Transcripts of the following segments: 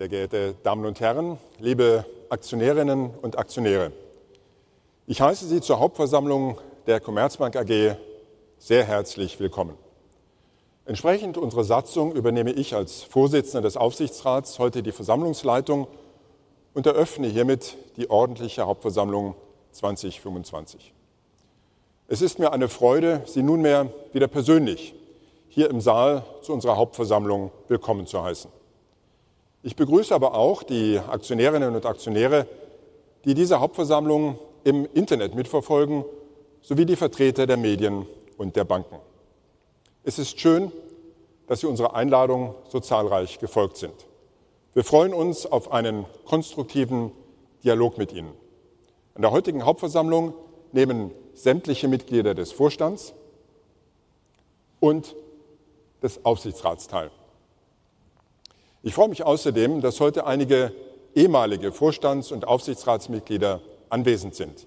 Sehr geehrte Damen und Herren, liebe Aktionärinnen und Aktionäre. Ich heiße Sie zur Hauptversammlung der Commerzbank AG sehr herzlich willkommen. Entsprechend unserer Satzung übernehme ich als Vorsitzender des Aufsichtsrats heute die Versammlungsleitung und eröffne hiermit die ordentliche Hauptversammlung 2025. Es ist mir eine Freude, Sie nunmehr wieder persönlich hier im Saal zu unserer Hauptversammlung willkommen zu heißen. Ich begrüße aber auch die Aktionärinnen und Aktionäre, die diese Hauptversammlung im Internet mitverfolgen, sowie die Vertreter der Medien und der Banken. Es ist schön, dass Sie unserer Einladung so zahlreich gefolgt sind. Wir freuen uns auf einen konstruktiven Dialog mit Ihnen. An der heutigen Hauptversammlung nehmen sämtliche Mitglieder des Vorstands und des Aufsichtsrats teil. Ich freue mich außerdem, dass heute einige ehemalige Vorstands- und Aufsichtsratsmitglieder anwesend sind.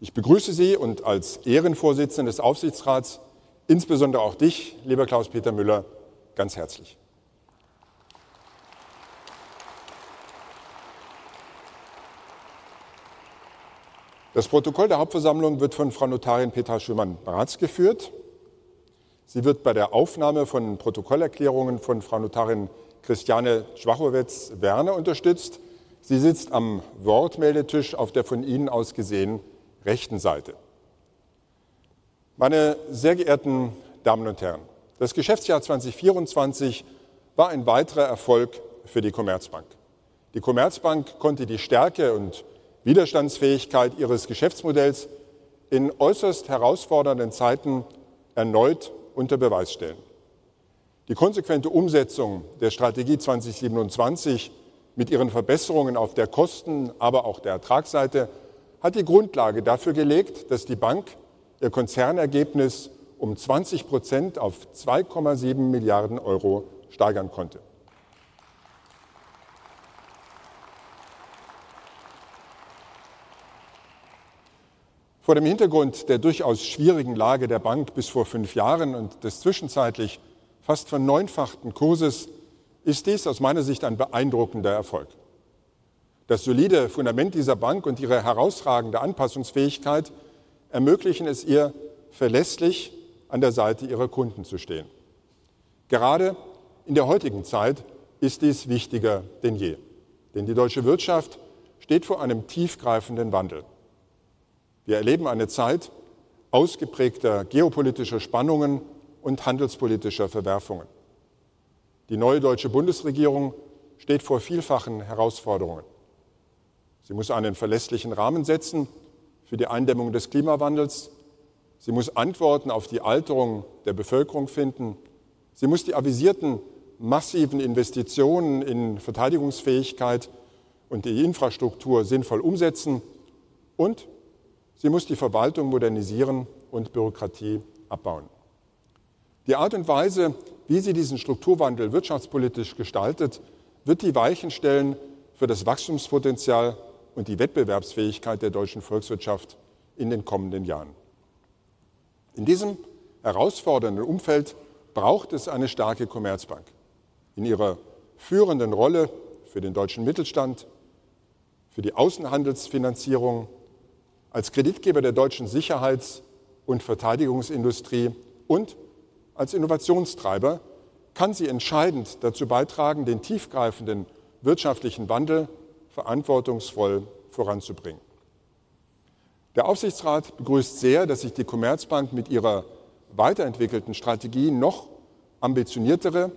Ich begrüße Sie und als Ehrenvorsitzenden des Aufsichtsrats insbesondere auch dich, lieber Klaus-Peter Müller, ganz herzlich. Das Protokoll der Hauptversammlung wird von Frau Notarin Petra Schömann-Bratz geführt. Sie wird bei der Aufnahme von Protokollerklärungen von Frau Notarin Christiane Schwachowitz-Werner unterstützt. Sie sitzt am Wortmeldetisch auf der von Ihnen aus gesehen rechten Seite. Meine sehr geehrten Damen und Herren, das Geschäftsjahr 2024 war ein weiterer Erfolg für die Commerzbank. Die Commerzbank konnte die Stärke und Widerstandsfähigkeit ihres Geschäftsmodells in äußerst herausfordernden Zeiten erneut unter Beweis stellen. Die konsequente Umsetzung der Strategie 2027 mit ihren Verbesserungen auf der Kosten-, aber auch der Ertragsseite, hat die Grundlage dafür gelegt, dass die Bank ihr Konzernergebnis um 20% auf €2,7 Milliarden steigern konnte. Vor dem Hintergrund der durchaus schwierigen Lage der Bank bis vor fünf Jahren und des zwischenzeitlich fast verneunfachten Kurses ist dies aus meiner Sicht ein beeindruckender Erfolg. Das solide Fundament dieser Bank und ihre herausragende Anpassungsfähigkeit ermöglichen es ihr, verlässlich an der Seite ihrer Kunden zu stehen. Gerade in der heutigen Zeit ist dies wichtiger denn je, denn die deutsche Wirtschaft steht vor einem tiefgreifenden Wandel. Wir erleben eine Zeit ausgeprägter geopolitischer Spannungen und handelspolitischer Verwerfungen. Die neue deutsche Bundesregierung steht vor vielfachen Herausforderungen. Sie muss einen verlässlichen Rahmen setzen für die Eindämmung des Klimawandels. Sie muss Antworten auf die Alterung der Bevölkerung finden. Sie muss die avisierten massiven Investitionen in Verteidigungsfähigkeit und die Infrastruktur sinnvoll umsetzen. Und sie muss die Verwaltung modernisieren und Bürokratie abbauen. Die Art und Weise, wie sie diesen Strukturwandel wirtschaftspolitisch gestaltet, wird die Weichen stellen für das Wachstumspotenzial und die Wettbewerbsfähigkeit der deutschen Volkswirtschaft in den kommenden Jahren. In diesem herausfordernden Umfeld braucht es eine starke Commerzbank in ihrer führenden Rolle für den deutschen Mittelstand, für die Außenhandelsfinanzierung, als Kreditgeber der deutschen Sicherheits- und Verteidigungsindustrie und als Innovationstreiber kann sie entscheidend dazu beitragen, den tiefgreifenden wirtschaftlichen Wandel verantwortungsvoll voranzubringen. Der Aufsichtsrat begrüßt sehr, dass sich die Commerzbank mit ihrer weiterentwickelten Strategie noch ambitioniertere,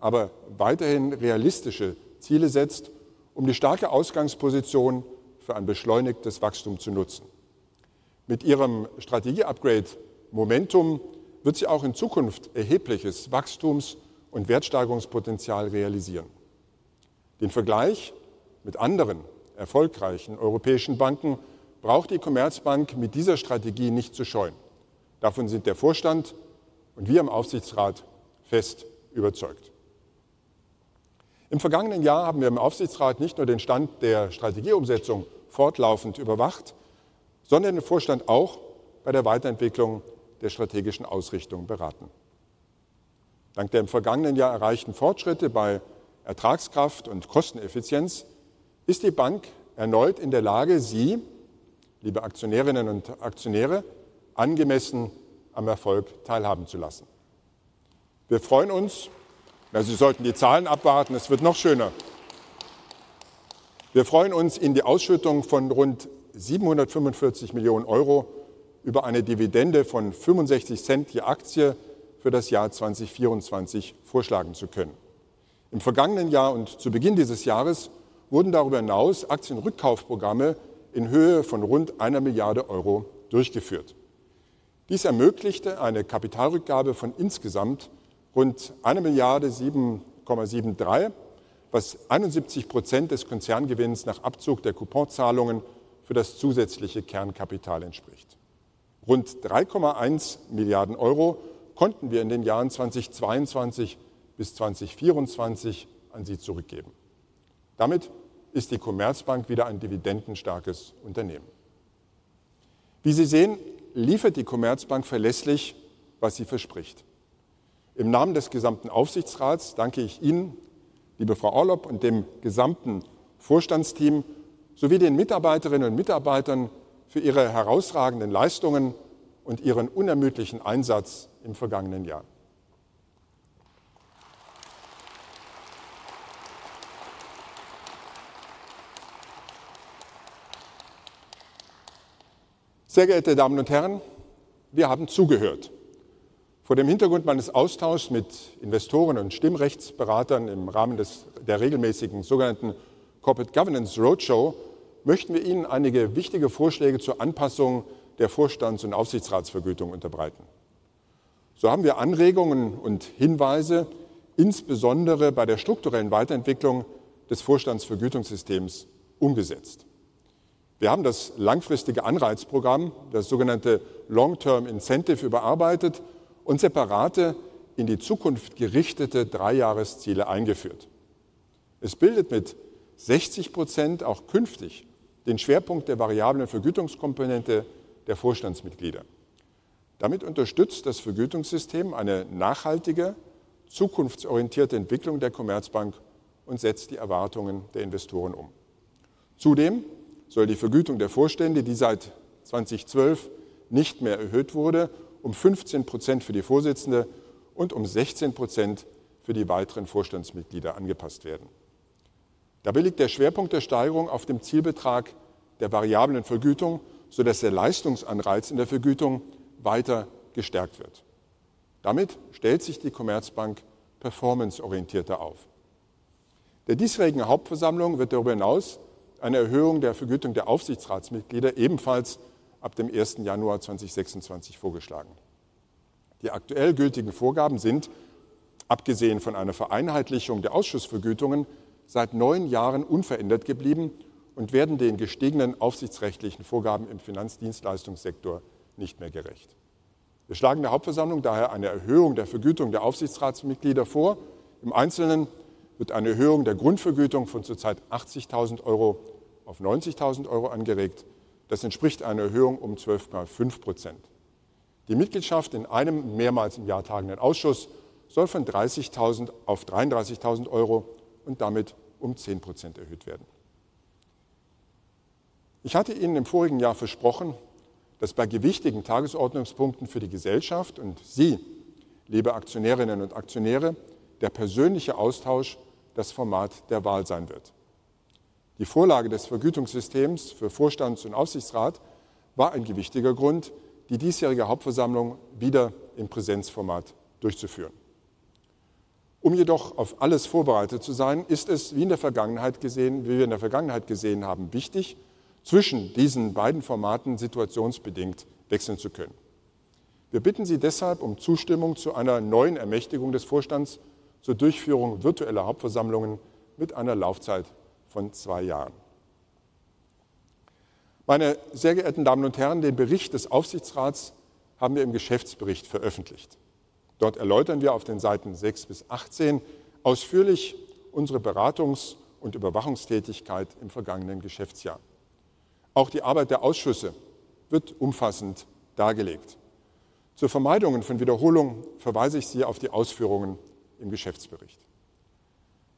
aber weiterhin realistische Ziele setzt, die starke Ausgangsposition für ein beschleunigtes Wachstum zu nutzen. Mit ihrem Strategie-Upgrade Momentum wird sie auch in Zukunft erhebliches Wachstums- und Wertsteigerungspotenzial realisieren. Den Vergleich mit anderen erfolgreichen europäischen Banken braucht die Commerzbank mit dieser Strategie nicht zu scheuen. Davon sind der Vorstand und wir im Aufsichtsrat fest überzeugt. Im vergangenen Jahr haben wir im Aufsichtsrat nicht nur den Stand der Strategieumsetzung fortlaufend überwacht, sondern den Vorstand auch bei der Weiterentwicklung der strategischen Ausrichtung beraten. Dank der im vergangenen Jahr erreichten Fortschritte bei Ertragskraft und Kosteneffizienz ist die Bank erneut in der Lage, Sie, liebe Aktionärinnen und Aktionäre, angemessen am Erfolg teilhaben zu lassen. Wir freuen uns - ja, Sie sollten die Zahlen abwarten, es wird noch schöner - wir freuen uns, Ihnen die Ausschüttung von rund €745 Millionen über eine Dividende von 65 Cent je Aktie für das Jahr 2024 vorschlagen zu können. Im vergangenen Jahr und zu Beginn dieses Jahres wurden darüber hinaus Aktienrückkaufprogramme in Höhe von rund €1 Milliarde durchgeführt. Dies ermöglichte eine Kapitalrückgabe von insgesamt rund €1,773 Millionen, was 71% des Konzerngewinns nach Abzug der Kuponzahlungen für das zusätzliche Kernkapital entspricht. Rund €3,1 Milliarden konnten wir in den Jahren 2022 bis 2024 an Sie zurückgeben. Damit ist die Commerzbank wieder ein dividendenstarkes Unternehmen. Wie Sie sehen, liefert die Commerzbank verlässlich, was sie verspricht. Im Namen des gesamten Aufsichtsrats danke ich Ihnen, liebe Frau Orlopp, und dem gesamten Vorstandsteam sowie den Mitarbeiterinnen und Mitarbeitern für Ihre herausragenden Leistungen und Ihren unermüdlichen Einsatz im vergangenen Jahr. Sehr geehrte Damen und Herren, wir haben zugehört. Vor dem Hintergrund meines Austauschs mit Investoren und Stimmrechtsberatern im Rahmen der regelmäßigen sogenannten Corporate Governance Roadshow möchten wir Ihnen einige wichtige Vorschläge zur Anpassung der Vorstands- und Aufsichtsratsvergütung unterbreiten. So haben wir Anregungen und Hinweise insbesondere bei der strukturellen Weiterentwicklung des Vorstandsvergütungssystems umgesetzt. Wir haben das langfristige Anreizprogramm, das sogenannte Long-Term Incentive, überarbeitet und separate, in die Zukunft gerichtete Dreijahresziele eingeführt. Es bildet mit 60% auch künftig den Schwerpunkt der variablen Vergütungskomponente der Vorstandsmitglieder. Damit unterstützt das Vergütungssystem eine nachhaltige, zukunftsorientierte Entwicklung der Commerzbank und setzt die Erwartungen der Investoren um. Zudem soll die Vergütung der Vorstände, die seit 2012 nicht mehr erhöht wurde, um 15% für die Vorsitzende und um 16% für die weiteren Vorstandsmitglieder angepasst werden. Dabei liegt der Schwerpunkt der Steigerung auf dem Zielbetrag der variablen Vergütung, sodass der Leistungsanreiz in der Vergütung weiter gestärkt wird. Damit stellt sich die Commerzbank performanceorientierter auf. Der diesjährigen Hauptversammlung wird darüber hinaus eine Erhöhung der Vergütung der Aufsichtsratsmitglieder ebenfalls ab dem 1. Januar 2026 vorgeschlagen. Die aktuell gültigen Vorgaben sind, abgesehen von einer Vereinheitlichung der Ausschussvergütungen, seit neun Jahren unverändert geblieben und werden den gestiegenen aufsichtsrechtlichen Vorgaben im Finanzdienstleistungssektor nicht mehr gerecht. Wir schlagen der Hauptversammlung daher eine Erhöhung der Vergütung der Aufsichtsratsmitglieder vor. Im Einzelnen wird eine Erhöhung der Grundvergütung von zurzeit €80.000 auf €90.000 angeregt. Das entspricht einer Erhöhung von 12,5%. Die Mitgliedschaft in einem mehrmals im Jahr tagenden Ausschuss soll von €30.000 auf €33.000 und damit um 10% erhöht werden. Ich hatte Ihnen im vorigen Jahr versprochen, dass bei gewichtigen Tagesordnungspunkten für die Gesellschaft und Sie, liebe Aktionärinnen und Aktionäre, der persönliche Austausch das Format der Wahl sein wird. Die Vorlage des Vergütungssystems für Vorstands- und Aufsichtsrat war ein gewichtiger Grund, die diesjährige Hauptversammlung wieder im Präsenzformat durchzuführen. Um jedoch auf alles vorbereitet zu sein, ist es, wie wir in der Vergangenheit gesehen haben, wichtig, zwischen diesen beiden Formaten situationsbedingt wechseln zu können. Wir bitten Sie deshalb um Zustimmung zu einer neuen Ermächtigung des Vorstands zur Durchführung virtueller Hauptversammlungen mit einer Laufzeit von zwei Jahren. Meine sehr geehrten Damen und Herren, den Bericht des Aufsichtsrats haben wir im Geschäftsbericht veröffentlicht. Dort erläutern wir auf den Seiten 6 bis 18 ausführlich unsere Beratungs- und Überwachungstätigkeit im vergangenen Geschäftsjahr. Auch die Arbeit der Ausschüsse wird umfassend dargelegt. Zur Vermeidung von Wiederholungen verweise ich Sie auf die Ausführungen im Geschäftsbericht.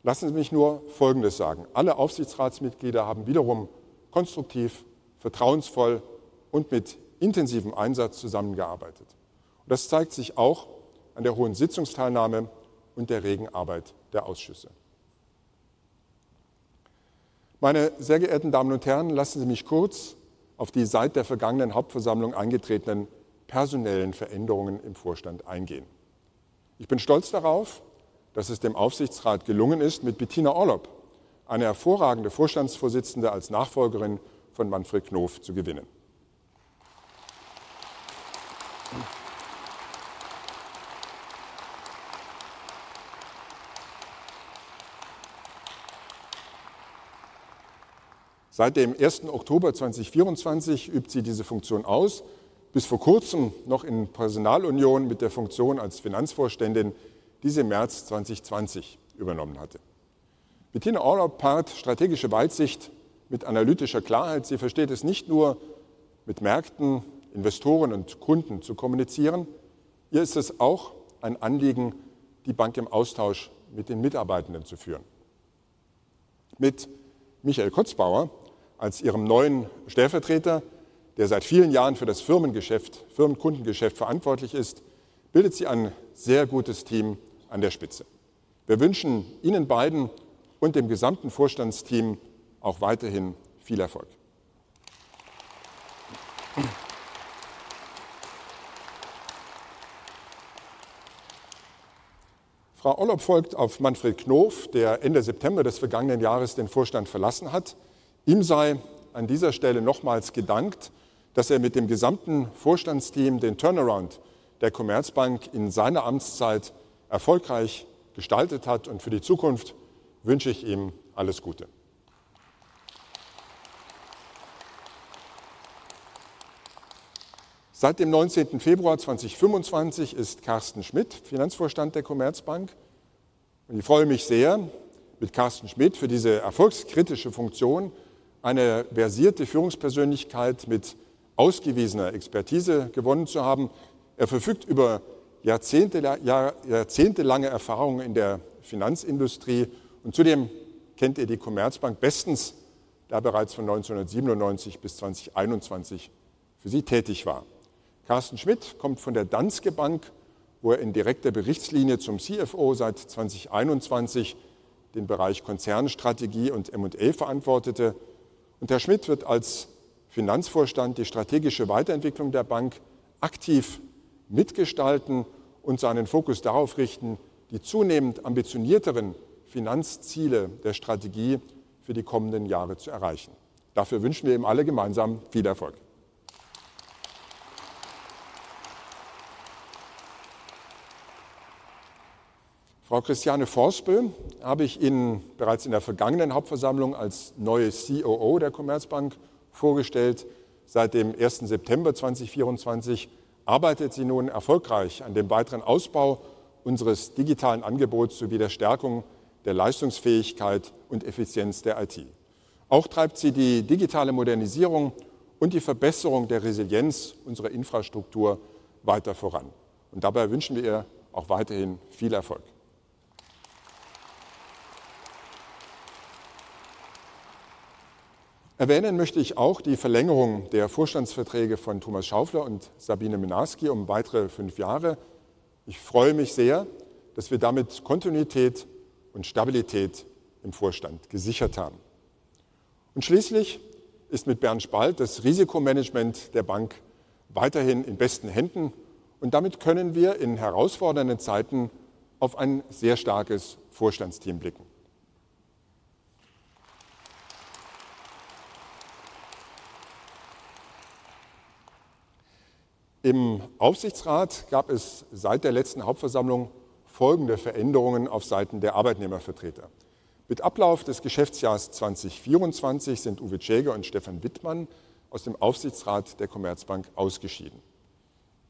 Lassen Sie mich nur Folgendes sagen: Alle Aufsichtsratsmitglieder haben wiederum konstruktiv, vertrauensvoll und mit intensivem Einsatz zusammengearbeitet. Das zeigt sich auch an der hohen Sitzungsteilnahme und der regen Arbeit der Ausschüsse. Meine sehr geehrten Damen und Herren, lassen Sie mich kurz auf die seit der vergangenen Hauptversammlung eingetretenen personellen Veränderungen im Vorstand eingehen. Ich bin stolz darauf, dass es dem Aufsichtsrat gelungen ist, mit Bettina Orlopp eine hervorragende Vorstandsvorsitzende als Nachfolgerin von Manfred Knof zu gewinnen. Seit dem 1. Oktober 2024 übt sie diese Funktion aus, bis vor kurzem noch in Personalunion mit der Funktion als Finanzvorständin, die sie im März 2020 übernommen hatte. Bettina Orlopp paart strategische Weitsicht mit analytischer Klarheit. Sie versteht es nicht nur, mit Märkten, Investoren und Kunden zu kommunizieren. Ihr ist es auch ein Anliegen, die Bank im Austausch mit den Mitarbeitenden zu führen. Mit Michael Kotzbauer als ihrem neuen Stellvertreter, der seit vielen Jahren für das Firmenkundengeschäft verantwortlich ist, bildet sie ein sehr gutes Team an der Spitze. Wir wünschen Ihnen beiden und dem gesamten Vorstandsteam auch weiterhin viel Erfolg. Frau Orlopp folgt auf Manfred Knof, der Ende September des vergangenen Jahres den Vorstand verlassen hat. Ihm sei an dieser Stelle nochmals gedankt, dass er mit dem gesamten Vorstandsteam den Turnaround der Commerzbank in seiner Amtszeit erfolgreich gestaltet hat. Für die Zukunft wünsche ich ihm alles Gute. Seit dem 19. Februar 2025 ist Carsten Schmidt Finanzvorstand der Commerzbank. Ich freue mich sehr, mit Carsten Schmidt für diese erfolgskritische Funktion eine versierte Führungspersönlichkeit mit ausgewiesener Expertise gewonnen zu haben. Er verfügt über jahrzehntelange Erfahrung in der Finanzindustrie. Zudem kennt er die Commerzbank bestens, da er bereits von 1997 bis 2021 für sie tätig war. Carsten Schmidt kommt von der Danske Bank, wo er in direkter Berichtslinie zum CFO seit 2021 den Bereich Konzernstrategie und M&A verantwortete. Herr Schmidt wird als Finanzvorstand die strategische Weiterentwicklung der Bank aktiv mitgestalten und seinen Fokus darauf richten, die zunehmend ambitionierteren Finanzziele der Strategie für die kommenden Jahre zu erreichen. Dafür wünschen wir ihm alle gemeinsam viel Erfolg. Frau Christiane Vorspel habe ich Ihnen bereits in der vergangenen Hauptversammlung als neue COO der Commerzbank vorgestellt. Seit dem 1. September 2024 arbeitet sie nun erfolgreich an dem weiteren Ausbau unseres digitalen Angebots sowie der Stärkung der Leistungsfähigkeit und Effizienz der IT. Auch treibt sie die digitale Modernisierung und die Verbesserung der Resilienz unserer Infrastruktur weiter voran. Dabei wünschen wir ihr auch weiterhin viel Erfolg. Erwähnen möchte ich auch die Verlängerung der Vorstandsverträge von Thomas Schaufler und Sabine Mlnarsky um weitere fünf Jahre. Ich freue mich sehr, dass wir damit Kontinuität und Stabilität im Vorstand gesichert haben. Schließlich ist mit Bernd Spalt das Risikomanagement der Bank weiterhin in besten Händen. Und damit können wir in herausfordernden Zeiten auf ein sehr starkes Vorstandsteam blicken. Im Aufsichtsrat gab es seit der letzten Hauptversammlung folgende Veränderungen auf Seiten der Arbeitnehmervertreter: Mit Ablauf des Geschäftsjahrs 2024 sind Uwe Czeager und Stefan Wittmann aus dem Aufsichtsrat der Commerzbank ausgeschieden.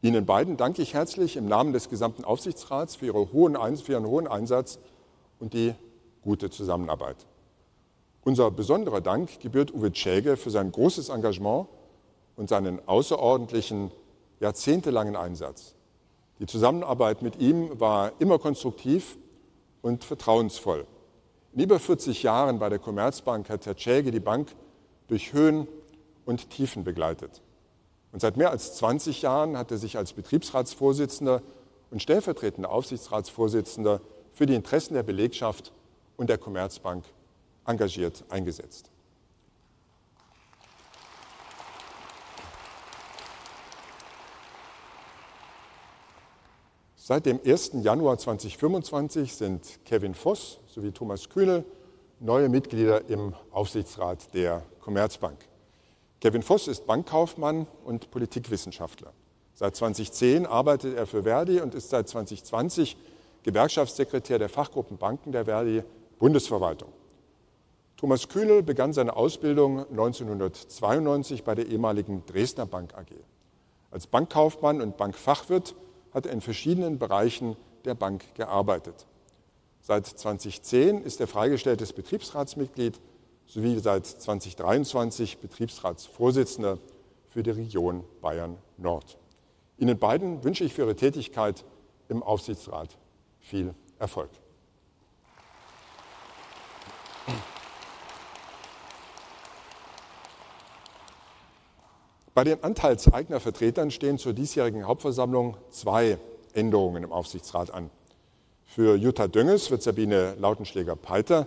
Ihnen beiden danke ich herzlich im Namen des gesamten Aufsichtsrats für Ihren hohen Einsatz und die gute Zusammenarbeit. Unser besonderer Dank gebührt Uwe Czeager für sein großes Engagement und seinen außerordentlichen, jahrzehntelangen Einsatz. Die Zusammenarbeit mit ihm war immer konstruktiv und vertrauensvoll. In über 40 Jahren bei der Commerzbank hat Herr Czeager die Bank durch Höhen und Tiefen begleitet. Seit mehr als 20 Jahren hat er sich als Betriebsratsvorsitzender und stellvertretender Aufsichtsratsvorsitzender für die Interessen der Belegschaft und der Commerzbank engagiert eingesetzt. Seit dem 1. Januar 2025 sind Kevin Voss sowie Thomas Kühnel neue Mitglieder im Aufsichtsrat der Commerzbank. Kevin Voss ist Bankkaufmann und Politikwissenschaftler. Seit 2010 arbeitet er für ver.di und ist seit 2020 Gewerkschaftssekretär der Fachgruppe Banken der ver.di Bundesverwaltung. Thomas Kühnel begann seine Ausbildung 1992 bei der ehemaligen Dresdner Bank AG. Als Bankkaufmann und Bankfachwirt hat er in verschiedenen Bereichen der Bank gearbeitet. Seit 2010 ist er freigestelltes Betriebsratsmitglied sowie seit 2023 Betriebsratsvorsitzender für die Region Bayern-Nord. Ihnen beiden wünsche ich für Ihre Tätigkeit im Aufsichtsrat viel Erfolg. Bei den Anteilseignervertretern stehen zur diesjährigen Hauptversammlung zwei Änderungen im Aufsichtsrat an. Für Jutta Dönges wird Sabine Lautenschläger-Peiter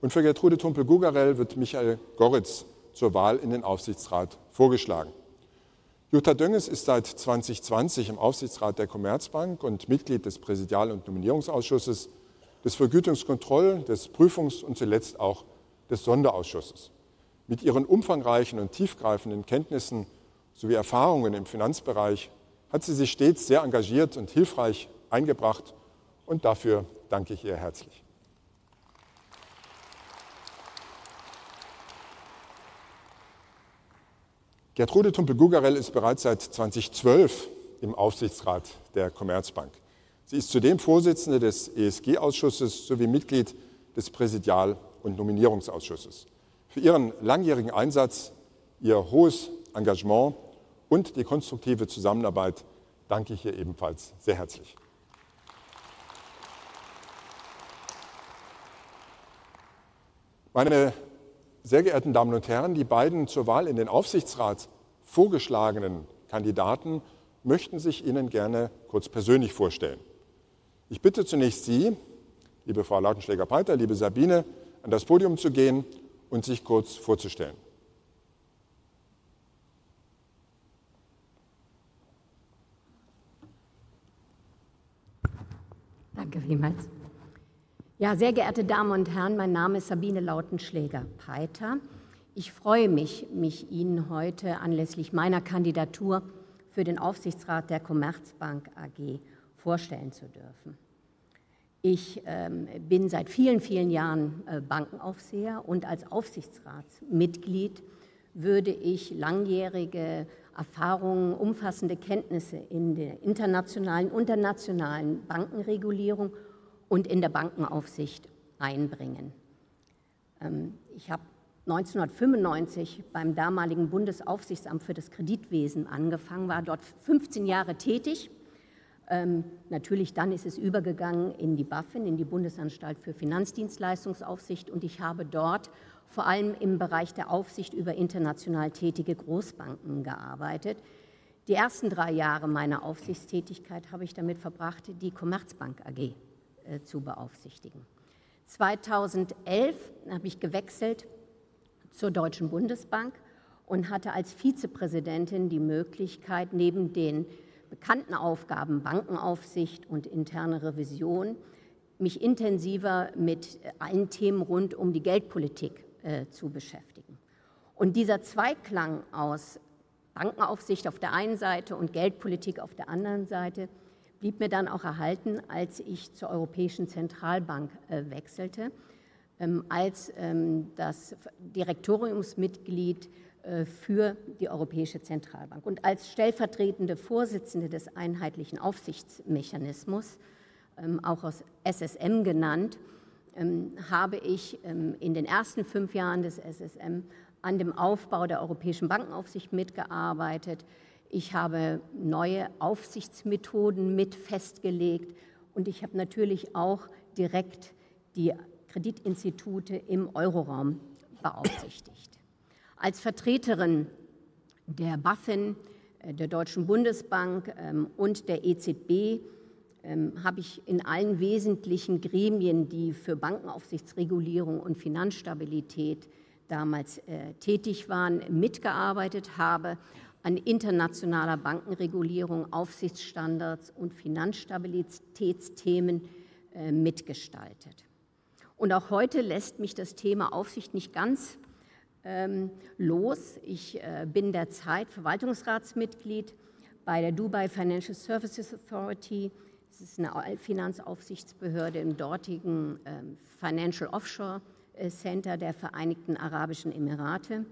und für Gertrude Tumpel-Gugarell wird Michael Goritz zur Wahl in den Aufsichtsrat vorgeschlagen. Jutta Dönges ist seit 2020 im Aufsichtsrat der Commerzbank und Mitglied des Präsidial- und Nominierungsausschusses, des Vergütungskontrollausschusses, des Prüfungsausschusses und zuletzt auch des Sonderausschusses. Mit ihren umfangreichen und tiefgreifenden Kenntnissen sowie Erfahrungen im Finanzbereich hat sie sich stets sehr engagiert und hilfreich eingebracht. Und dafür danke ich ihr herzlich. Gertrude Tumpel-Gugarell ist bereits seit 2012 im Aufsichtsrat der Commerzbank. Sie ist zudem Vorsitzende des ESG-Ausschusses sowie Mitglied des Präsidial- und Nominierungsausschusses. Für ihren langjährigen Einsatz, ihr hohes Engagement und die konstruktive Zusammenarbeit danke ich ihr ebenfalls sehr herzlich. Meine sehr geehrten Damen und Herren, die beiden zur Wahl in den Aufsichtsrat vorgeschlagenen Kandidaten möchten sich Ihnen gerne kurz persönlich vorstellen. Ich bitte zunächst Sie, liebe Frau Lautenschläger-Peiter, liebe Sabine, an das Podium zu gehen und sich kurz vorzustellen. Danke vielmals. Sehr geehrte Damen und Herren, mein Name ist Sabine Lautenschläger-Peiter. Ich freue mich, mich Ihnen heute anlässlich meiner Kandidatur für den Aufsichtsrat der Commerzbank AG vorstellen zu dürfen. Ich bin seit vielen Jahren Bankenaufseherin und als Aufsichtsratsmitglied würde ich langjährige Erfahrungen, umfassende Kenntnisse in der internationalen und der nationalen Bankenregulierung und in der Bankenaufsicht einbringen. Ich habe 1995 beim damaligen Bundesaufsichtsamt für das Kreditwesen angefangen, war dort 15 Jahre tätig. Natürlich dann ist es übergegangen in die BaFin, in die Bundesanstalt für Finanzdienstleistungsaufsicht. Ich habe dort vor allem im Bereich der Aufsicht über international tätige Großbanken gearbeitet. Die ersten drei Jahre meiner Aufsichtstätigkeit habe ich damit verbracht, die Commerzbank AG zu beaufsichtigen. 2011 habe ich gewechselt zur Deutschen Bundesbank und hatte als Vizepräsidentin die Möglichkeit, neben den bekannten Aufgaben Bankenaufsicht und interne Revision, mich intensiver mit allen Themen rund um die Geldpolitik zu beschäftigen. Dieser Zweiklang aus Bankenaufsicht auf der einen Seite und Geldpolitik auf der anderen Seite blieb mir dann auch erhalten, als ich zur Europäischen Zentralbank wechselte, als Direktoriumsmitglied für die Europäische Zentralbank. Als stellvertretende Vorsitzende des einheitlichen Aufsichtsmechanismus, auch als SSM genannt, habe ich in den ersten fünf Jahren des SSM an dem Aufbau der europäischen Bankenaufsicht mitgearbeitet. Ich habe neue Aufsichtsmethoden mitfestgelegt und ich habe natürlich auch direkt die Kreditinstitute im Euroraum beaufsichtigt. Als Vertreterin der BaFin, der Deutschen Bundesbank und der EZB habe ich in allen wesentlichen Gremien, die für Bankenaufsichtsregulierung und Finanzstabilität damals tätig waren, mitgearbeitet, an internationaler Bankenregulierung, Aufsichtsstandards und Finanzstabilitätsthemen mitgestaltet. Auch heute lässt mich das Thema Aufsicht nicht ganz los. Ich bin derzeit Verwaltungsratsmitglied bei der Dubai Financial Services Authority. Das ist eine Finanzaufsichtsbehörde im dortigen Financial Offshore Center der Vereinigten Arabischen Emirate.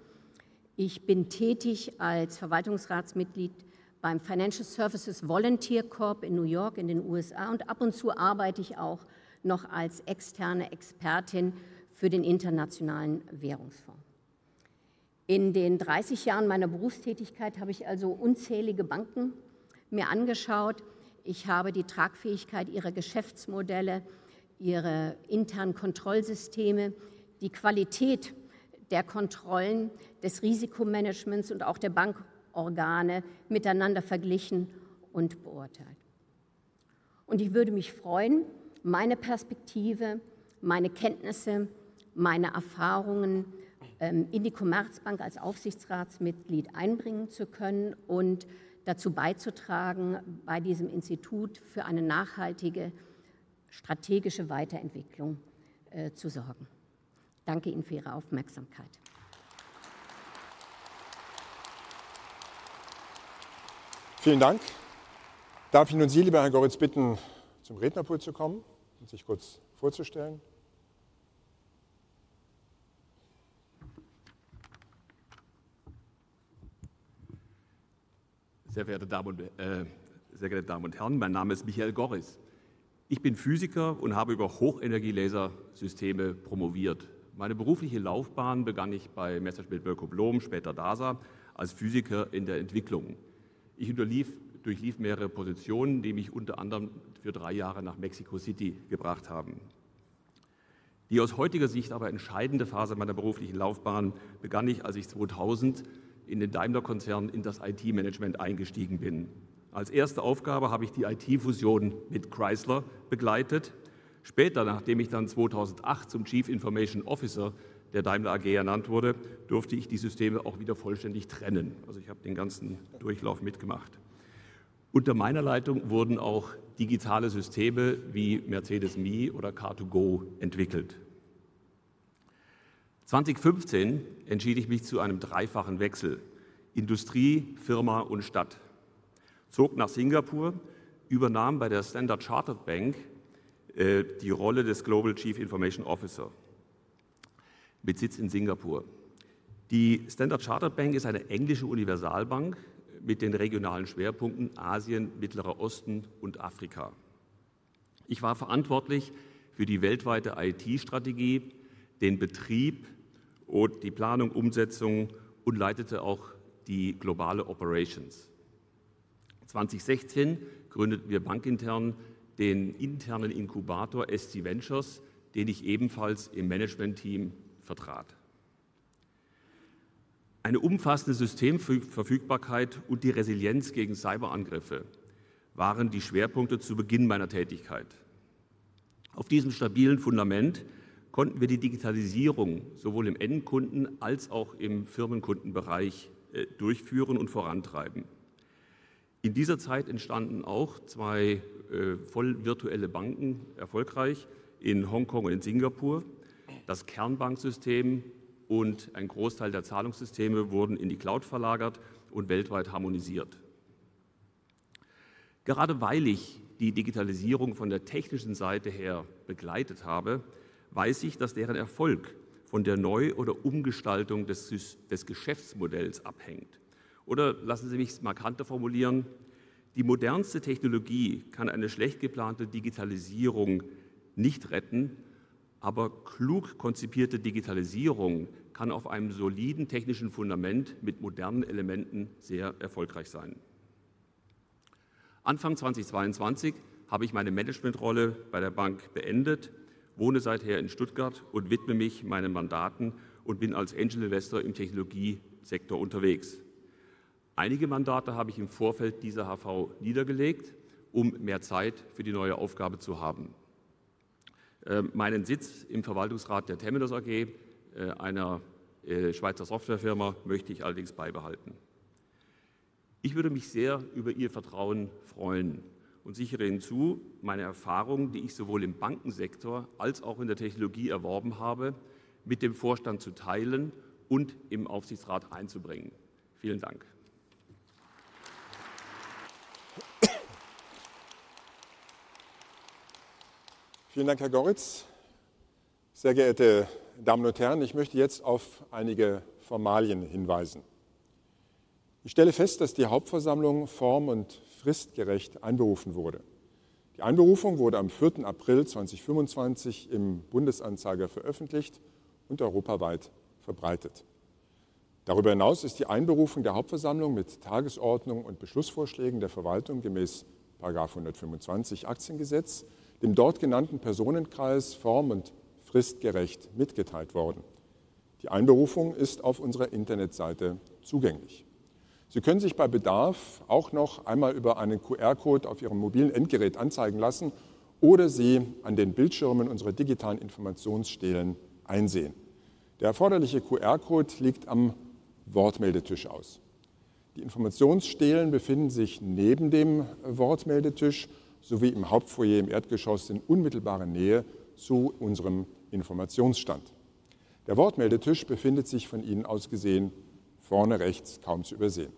Ich bin tätig als Verwaltungsratsmitglied beim Financial Services Volunteer Corps in New York in den USA. Ab und zu arbeite ich auch noch als externe Expertin für den Internationalen Währungsfonds. In den 30 Jahren meiner Berufstätigkeit habe ich also unzählige Banken mir angeschaut. Ich habe die Tragfähigkeit ihrer Geschäftsmodelle, ihre internen Kontrollsysteme, die Qualität der Kontrollen, des Risikomanagements und auch der Bankorgane miteinander verglichen und beurteilt. Ich würde mich freuen, meine Perspektive, meine Kenntnisse, meine Erfahrungen in die Commerzbank als Aufsichtsratsmitglied einbringen zu können und dazu beizutragen, bei diesem Institut für eine nachhaltige strategische Weiterentwicklung zu sorgen. Danke Ihnen für Ihre Aufmerksamkeit. Vielen Dank. Darf ich nun Sie, lieber Herr Goritz, bitten, zum Rednerpult zu kommen und sich kurz vorzustellen. Sehr geehrte Damen und Herren, mein Name ist Michael Goritz. Ich bin Physiker und habe über Hochenergielasersysteme promoviert. Meine berufliche Laufbahn begann ich bei Messerschmitt-Bölkow-Blohm, später DASA, als Physiker in der Entwicklung. Ich durchlief mehrere Positionen, die mich unter anderem für drei Jahre nach Mexiko-Stadt gebracht haben. Die aus heutiger Sicht aber entscheidende Phase meiner beruflichen Laufbahn begann, als ich 2000 in den Daimler-Konzern in das IT-Management eingestiegen bin. Als erste Aufgabe habe ich die IT-Fusion mit Chrysler begleitet. Später, nachdem ich dann 2008 zum Chief Information Officer der Daimler AG ernannt wurde, durfte ich die Systeme auch wieder vollständig trennen. Also ich habe den ganzen Durchlauf mitgemacht. Unter meiner Leitung wurden auch digitale Systeme wie Mercedes Me oder Car2Go entwickelt. 2015 entschied ich mich zu einem dreifachen Wechsel: Industrie, Firma und Stadt. Zog nach Singapur, übernahm bei der Standard Chartered Bank die Rolle des Global Chief Information Officer mit Sitz in Singapur. Die Standard Chartered Bank ist eine englische Universalbank mit den regionalen Schwerpunkten Asien, Mittlerer Osten und Afrika. Ich war verantwortlich für die weltweite IT-Strategie, den Betrieb und die Planung, Umsetzung und leitete auch die globale Operations. 2016 gründeten wir bankintern den internen Inkubator SC Ventures, den ich ebenfalls im Managementteam vertrat. Eine umfassende Systemverfügbarkeit und die Resilienz gegen Cyberangriffe waren die Schwerpunkte zu Beginn meiner Tätigkeit. Auf diesem stabilen Fundament konnten wir die Digitalisierung sowohl im Endkunden- als auch im Firmenkundenbereich durchführen und vorantreiben. In dieser Zeit entstanden auch zwei voll virtuelle Banken erfolgreich in Hongkong und in Singapur. Das Kernbanksystem und ein Großteil der Zahlungssysteme wurden in die Cloud verlagert und weltweit harmonisiert. Gerade weil ich die Digitalisierung von der technischen Seite her begleitet habe, weiß ich, dass deren Erfolg von der Neu- oder Umgestaltung des Geschäftsmodells abhängt. Oder lassen Sie mich es markant formulieren: Die modernste Technologie kann eine schlecht geplante Digitalisierung nicht retten, aber klug konzipierte Digitalisierung kann auf einem soliden technischen Fundament mit modernen Elementen sehr erfolgreich sein. Anfang 2022 habe ich meine Managementrolle bei der Bank beendet, wohne seither in Stuttgart und widme mich meinen Mandaten und bin als Angel Investor im Technologiesektor unterwegs. Einige Mandate habe ich im Vorfeld dieser Hauptversammlung niedergelegt, um mehr Zeit für die neue Aufgabe zu haben. Meinen Sitz im Verwaltungsrat der Temenos AG, einer Schweizer Softwarefirma, möchte ich allerdings beibehalten. Ich würde mich sehr über Ihr Vertrauen freuen und sichere zu, meine Erfahrungen, die ich sowohl im Bankensektor als auch in der Technologie erworben habe, mit dem Vorstand zu teilen und im Aufsichtsrat einzubringen. Vielen Dank. Vielen Dank, Herr Goritz. Sehr geehrte Damen und Herren, ich möchte jetzt auf einige Formalien hinweisen. Ich stelle fest, dass die Hauptversammlung form- und fristgerecht einberufen wurde. Die Einberufung wurde am 4. April 2025 im Bundesanzeiger veröffentlicht und europaweit verbreitet. Darüber hinaus ist die Einberufung der Hauptversammlung mit Tagesordnung und Beschlussvorschlägen der Verwaltung gemäß § 125 Aktiengesetz dem dort genannten Personenkreis form- und fristgerecht mitgeteilt worden. Die Einberufung ist auf unserer Internetseite zugänglich. Sie können sich bei Bedarf auch noch einmal über einen QR-Code auf Ihrem mobilen Endgerät anzeigen lassen oder Sie an den Bildschirmen unserer digitalen Informationsstelen einsehen. Der erforderliche QR-Code liegt am Wortmeldetisch aus. Die Informationsstelen befinden sich neben dem Wortmeldetisch sowie im Hauptfoyer im Erdgeschoss in unmittelbarer Nähe zu unserem Informationsstand. Der Wortmeldetisch befindet sich von Ihnen aus gesehen vorne rechts, kaum zu übersehen.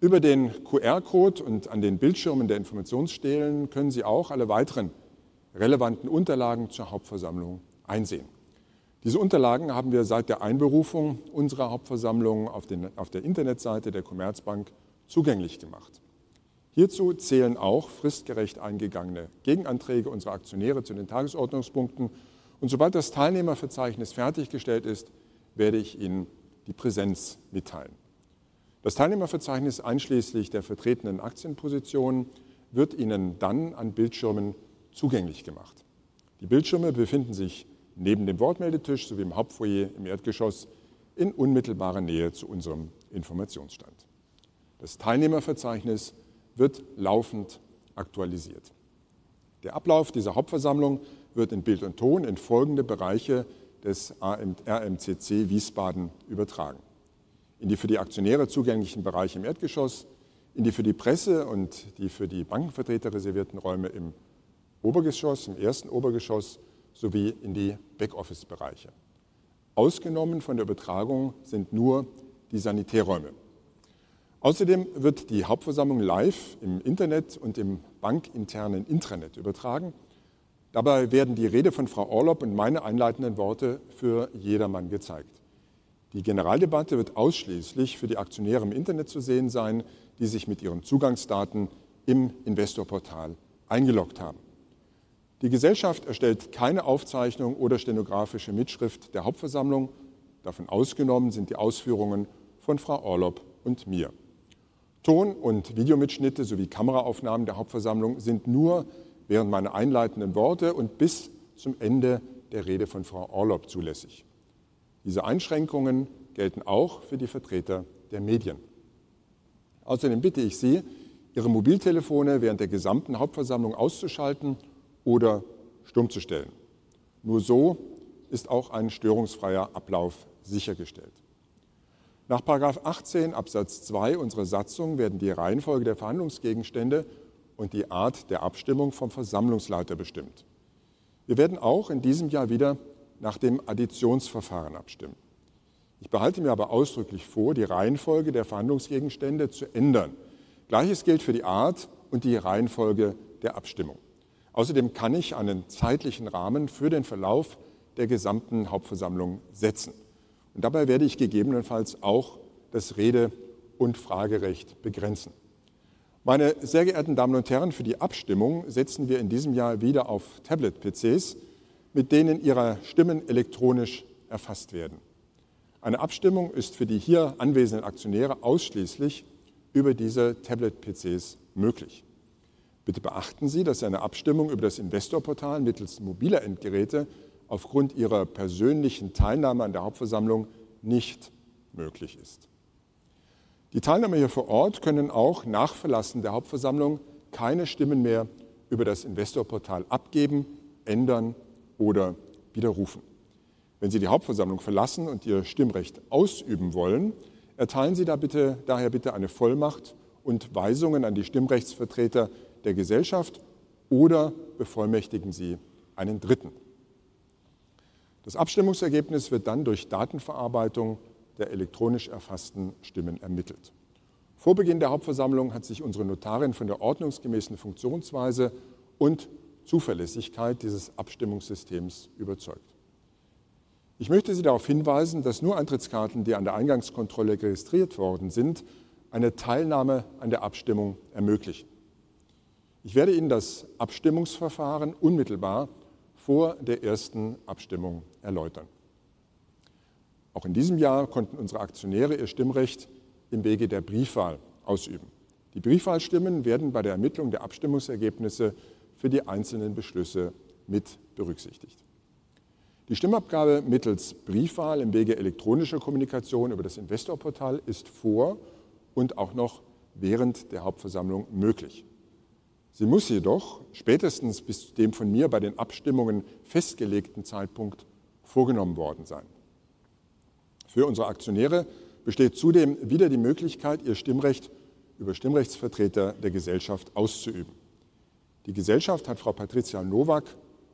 Über den QR-Code und an den Bildschirmen der Informationsstelen können Sie auch alle weiteren relevanten Unterlagen zur Hauptversammlung einsehen. Diese Unterlagen haben wir seit der Einberufung unserer Hauptversammlung auf der Internetseite der Commerzbank zugänglich gemacht. Hierzu zählen auch fristgerecht eingegangene Gegenanträge unserer Aktionäre zu den Tagesordnungspunkten. Sobald das Teilnehmerverzeichnis fertiggestellt ist, werde ich Ihnen die Präsenz mitteilen. Das Teilnehmerverzeichnis einschließlich der vertretenen Aktienpositionen wird Ihnen dann an Bildschirmen zugänglich gemacht. Die Bildschirme befinden sich neben dem Wortmeldetisch sowie im Hauptfoyer im Erdgeschoss in unmittelbarer Nähe zu unserem Informationsstand. Das Teilnehmerverzeichnis wird laufend aktualisiert. Der Ablauf dieser Hauptversammlung wird in Bild und Ton in folgende Bereiche des RMCC Wiesbaden übertragen: in die für die Aktionäre zugänglichen Bereiche im Erdgeschoss, in die für die Presse und die für die Bankenvertreter reservierten Räume im Obergeschoss, im ersten Obergeschoss sowie in die Backoffice-Bereiche. Ausgenommen von der Übertragung sind nur die Sanitärräume. Außerdem wird die Hauptversammlung live im Internet und im bankinternen Intranet übertragen. Dabei werden die Rede von Frau Orlopp und meine einleitenden Worte für jedermann gezeigt. Die Generaldebatte wird ausschließlich für die Aktionäre im Internet zu sehen sein, die sich mit ihren Zugangsdaten im Investorportal eingeloggt haben. Die Gesellschaft erstellt keine Aufzeichnung oder stenografische Mitschrift der Hauptversammlung. Davon ausgenommen sind die Ausführungen von Frau Orlopp und mir. Ton- und Videomitschnitte sowie Kameraaufnahmen der Hauptversammlung sind nur während meiner einleitenden Worte und bis zum Ende der Rede von Frau Orlopp zulässig. Diese Einschränkungen gelten auch für die Vertreter der Medien. Außerdem bitte ich Sie, Ihre Mobiltelefone während der gesamten Hauptversammlung auszuschalten oder stumm zu stellen. Nur so ist auch ein störungsfreier Ablauf sichergestellt. Nach Paragraf 18 Absatz 2 unserer Satzung werden die Reihenfolge der Verhandlungsgegenstände und die Art der Abstimmung vom Versammlungsleiter bestimmt. Wir werden auch in diesem Jahr wieder nach dem Additionsverfahren abstimmen. Ich behalte mir aber ausdrücklich vor, die Reihenfolge der Verhandlungsgegenstände zu ändern. Gleiches gilt für die Art und die Reihenfolge der Abstimmung. Außerdem kann ich einen zeitlichen Rahmen für den Verlauf der gesamten Hauptversammlung setzen. Dabei werde ich gegebenenfalls auch das Rede- und Fragerecht begrenzen. Meine sehr geehrten Damen und Herren, für die Abstimmung setzen wir in diesem Jahr wieder auf Tablet-PCs, mit denen Ihre Stimmen elektronisch erfasst werden. Eine Abstimmung ist für die hier anwesenden Aktionäre ausschließlich über diese Tablet-PCs möglich. Bitte beachten Sie, dass eine Abstimmung über das Investorportal mittels mobiler Endgeräte aufgrund Ihrer persönlichen Teilnahme an der Hauptversammlung nicht möglich ist. Die Teilnehmer hier vor Ort können auch nach Verlassen der Hauptversammlung keine Stimmen mehr über das Investorportal abgeben, ändern oder widerrufen. Wenn Sie die Hauptversammlung verlassen und Ihr Stimmrecht ausüben wollen, erteilen Sie bitte daher eine Vollmacht und Weisungen an die Stimmrechtsvertreter der Gesellschaft oder bevollmächtigen Sie einen Dritten. Das Abstimmungsergebnis wird dann durch Datenverarbeitung der elektronisch erfassten Stimmen ermittelt. Vor Beginn der Hauptversammlung hat sich unsere Notarin von der ordnungsgemäßen Funktionsweise und Zuverlässigkeit dieses Abstimmungssystems überzeugt. Ich möchte Sie darauf hinweisen, dass nur Eintrittskarten, die an der Eingangskontrolle registriert worden sind, eine Teilnahme an der Abstimmung ermöglichen. Ich werde Ihnen das Abstimmungsverfahren unmittelbar vor der ersten Abstimmung erläutern. Auch in diesem Jahr konnten unsere Aktionäre ihr Stimmrecht im Wege der Briefwahl ausüben. Die Briefwahlstimmen werden bei der Ermittlung der Abstimmungsergebnisse für die einzelnen Beschlüsse mit berücksichtigt. Die Stimmabgabe mittels Briefwahl im Wege elektronischer Kommunikation über das Investorportal ist vor und auch noch während der Hauptversammlung möglich. Sie muss jedoch spätestens bis zu dem von mir bei den Abstimmungen festgelegten Zeitpunkt vorgenommen worden sein. Für unsere Aktionäre besteht zudem wieder die Möglichkeit, ihr Stimmrecht über Stimmrechtsvertreter der Gesellschaft auszuüben. Die Gesellschaft hat Frau Patricia Nowak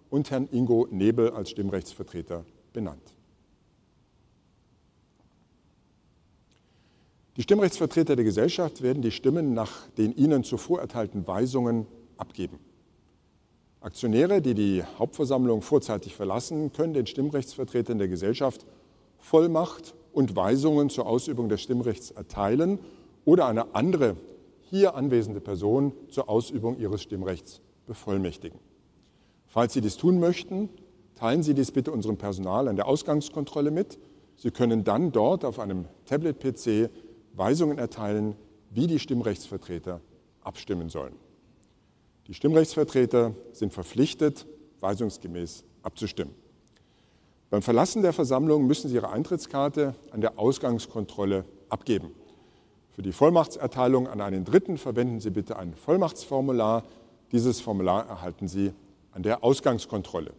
und Herrn Ingo Nebel als Stimmrechtsvertreter benannt. Die Stimmrechtsvertreter der Gesellschaft werden die Stimmen nach den ihnen zuvor erteilten Weisungen abgeben. Aktionäre, die die Hauptversammlung vorzeitig verlassen, können den Stimmrechtsvertretern der Gesellschaft Vollmacht und Weisungen zur Ausübung des Stimmrechts erteilen oder eine andere hier anwesende Person zur Ausübung ihres Stimmrechts bevollmächtigen. Falls Sie dies tun möchten, teilen Sie dies bitte unserem Personal an der Ausgangskontrolle mit. Sie können dann dort auf einem Tablet-PC Weisungen erteilen, wie die Stimmrechtsvertreter abstimmen sollen. Die Stimmrechtsvertreter sind verpflichtet, weisungsgemäß abzustimmen. Beim Verlassen der Versammlung müssen Sie Ihre Eintrittskarte an der Ausgangskontrolle abgeben. Für die Vollmachtserteilung an einen Dritten verwenden Sie bitte ein Vollmachtsformular. Dieses Formular erhalten Sie an der Ausgangskontrolle.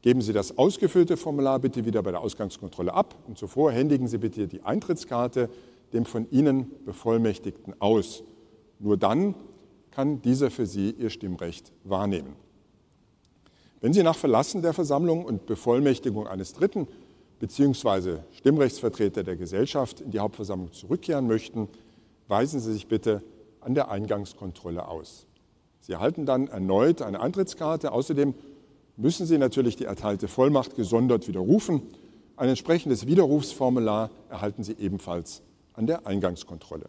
Geben Sie das ausgefüllte Formular bitte wieder bei der Ausgangskontrolle ab und zuvor händigen Sie bitte die Eintrittskarte dem von Ihnen Bevollmächtigten aus. Nur dann kann dieser für Sie Ihr Stimmrecht wahrnehmen. Wenn Sie nach Verlassen der Versammlung und Bevollmächtigung eines Dritten bzw. Stimmrechtsvertreter der Gesellschaft in die Hauptversammlung zurückkehren möchten, weisen Sie sich bitte an der Eingangskontrolle aus. Sie erhalten dann erneut eine Eintrittskarte. Außerdem müssen Sie natürlich die erteilte Vollmacht gesondert widerrufen. Ein entsprechendes Widerrufsformular erhalten Sie ebenfalls an der Eingangskontrolle.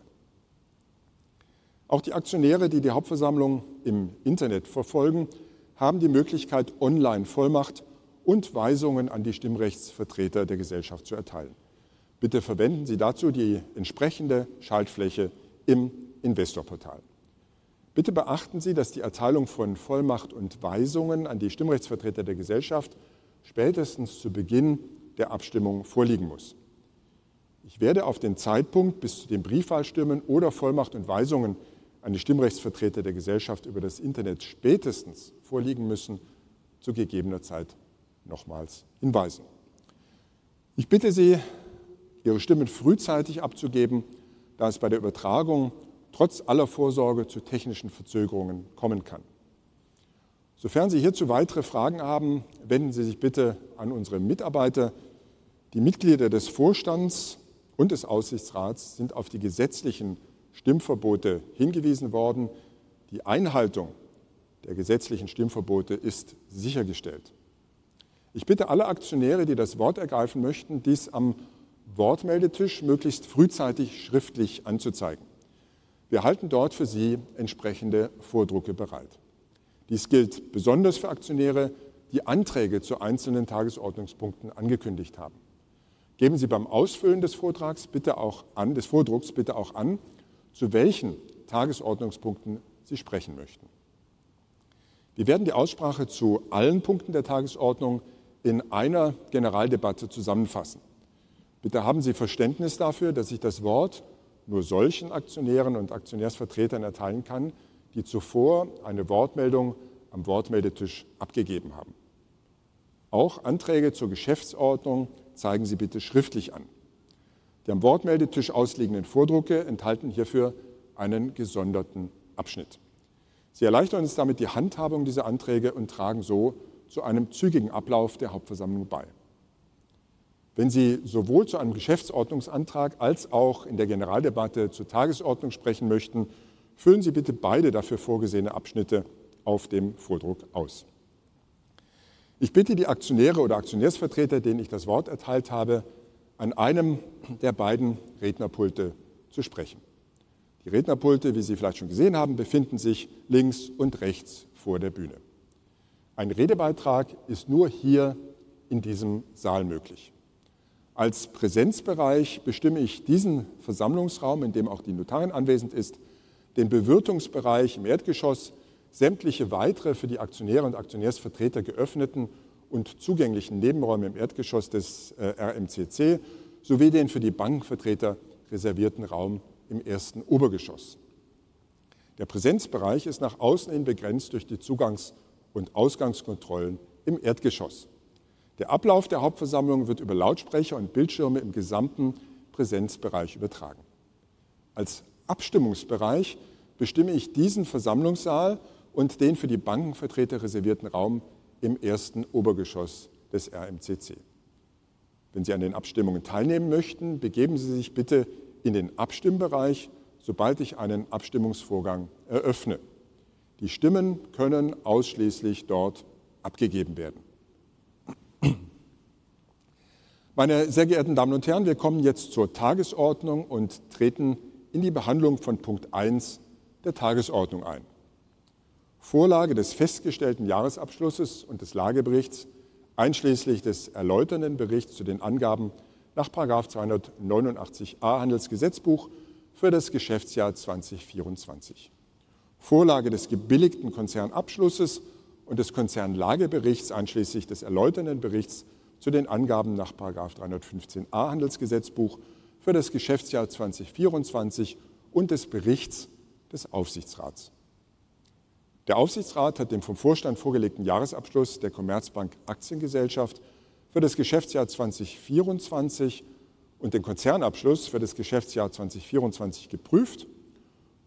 Auch die Aktionäre, die die Hauptversammlung im Internet verfolgen, haben die Möglichkeit, online Vollmacht und Weisungen an die Stimmrechtsvertreter der Gesellschaft zu erteilen. Bitte verwenden Sie dazu die entsprechende Schaltfläche im Investorportal. Bitte beachten Sie, dass die Erteilung von Vollmacht und Weisungen an die Stimmrechtsvertreter der Gesellschaft spätestens zu Beginn der Abstimmung vorliegen muss. Ich werde zu gegebener Zeit nochmals darauf hinweisen, dass die Briefwahlstimmen oder Vollmacht und Weisungen an die Stimmrechtsvertreter der Gesellschaft über das Internet spätestens vorliegen müssen. Ich bitte Sie, Ihre Stimmen frühzeitig abzugeben, da es bei der Übertragung trotz aller Vorsorge zu technischen Verzögerungen kommen kann. Sofern Sie hierzu weitere Fragen haben, wenden Sie sich bitte an unsere Mitarbeiter. Die Mitglieder des Vorstands und des Aufsichtsrats sind auf die gesetzlichen Stimmverbote hingewiesen worden. Die Einhaltung der gesetzlichen Stimmverbote ist sichergestellt. Ich bitte alle Aktionäre, die das Wort ergreifen möchten, dies am Wortmeldetisch möglichst frühzeitig schriftlich anzuzeigen. Wir halten dort für Sie entsprechende Vordrucke bereit. Dies gilt besonders für Aktionäre, die Anträge zu einzelnen Tagesordnungspunkten angekündigt haben. Geben Sie beim Ausfüllen des Vordrucks bitte auch an, zu welchen Tagesordnungspunkten Sie sprechen möchten. Wir werden die Aussprache zu allen Punkten der Tagesordnung in einer Generaldebatte zusammenfassen. Bitte haben Sie Verständnis dafür, dass ich das Wort nur solchen Aktionären und Aktionärsvertretern erteilen kann, die zuvor eine Wortmeldung am Wortmeldetisch abgegeben haben. Auch Anträge zur Geschäftsordnung zeigen Sie bitte schriftlich an. Die am Wortmeldetisch ausliegenden Vordrucke enthalten hierfür einen gesonderten Abschnitt. Sie erleichtern uns damit die Handhabung dieser Anträge und tragen so zu einem zügigen Ablauf der Hauptversammlung bei. Wenn Sie sowohl zu einem Geschäftsordnungsantrag als auch in der Generaldebatte zur Tagesordnung sprechen möchten, füllen Sie bitte beide dafür vorgesehenen Abschnitte auf dem Vordruck aus. Ich bitte die Aktionäre oder Aktionärsvertreter, denen ich das Wort erteilt habe, an einem der beiden Rednerpulte zu sprechen. Die Rednerpulte, wie Sie vielleicht schon gesehen haben, befinden sich links und rechts vor der Bühne. Ein Redebeitrag ist nur hier in diesem Saal möglich. Als Präsenzbereich bestimme ich diesen Versammlungsraum, in dem auch die Notarin anwesend ist, den Bewirtungsbereich im Erdgeschoss, sämtliche weitere für die Aktionäre und Aktionärsvertreter geöffneten und zugänglichen Nebenräume im Erdgeschoss des RMCC sowie den für die Bankenvertreter reservierten Raum im ersten Obergeschoss. Der Präsenzbereich ist nach außen hin begrenzt durch die Zugangs- und Ausgangskontrollen im Erdgeschoss. Der Ablauf der Hauptversammlung wird über Lautsprecher und Bildschirme im gesamten Präsenzbereich übertragen. Als Abstimmungsbereich bestimme ich diesen Versammlungssaal und den für die Bankenvertreter reservierten Raum im ersten Obergeschoss des RMCC. Wenn Sie an den Abstimmungen teilnehmen möchten, begeben Sie sich bitte in den Abstimmungsbereich, sobald ich einen Abstimmungsvorgang eröffne. Die Stimmen können ausschließlich dort abgegeben werden. Meine sehr geehrten Damen und Herren, wir kommen jetzt zur Tagesordnung und treten in die Behandlung von Punkt 1 der Tagesordnung ein. Vorlage des festgestellten Jahresabschlusses und des Lageberichts, einschließlich des erläuternden Berichts zu den Angaben nach § 289a Handelsgesetzbuch für das Geschäftsjahr 2024. Vorlage des gebilligten Konzernabschlusses und des Konzernlageberichts, einschließlich des erläuternden Berichts zu den Angaben nach § 315a Handelsgesetzbuch für das Geschäftsjahr 2024 und des Berichts des Aufsichtsrats. Der Aufsichtsrat hat den vom Vorstand vorgelegten Jahresabschluss der Commerzbank Aktiengesellschaft für das Geschäftsjahr 2024 und den Konzernabschluss für das Geschäftsjahr 2024 geprüft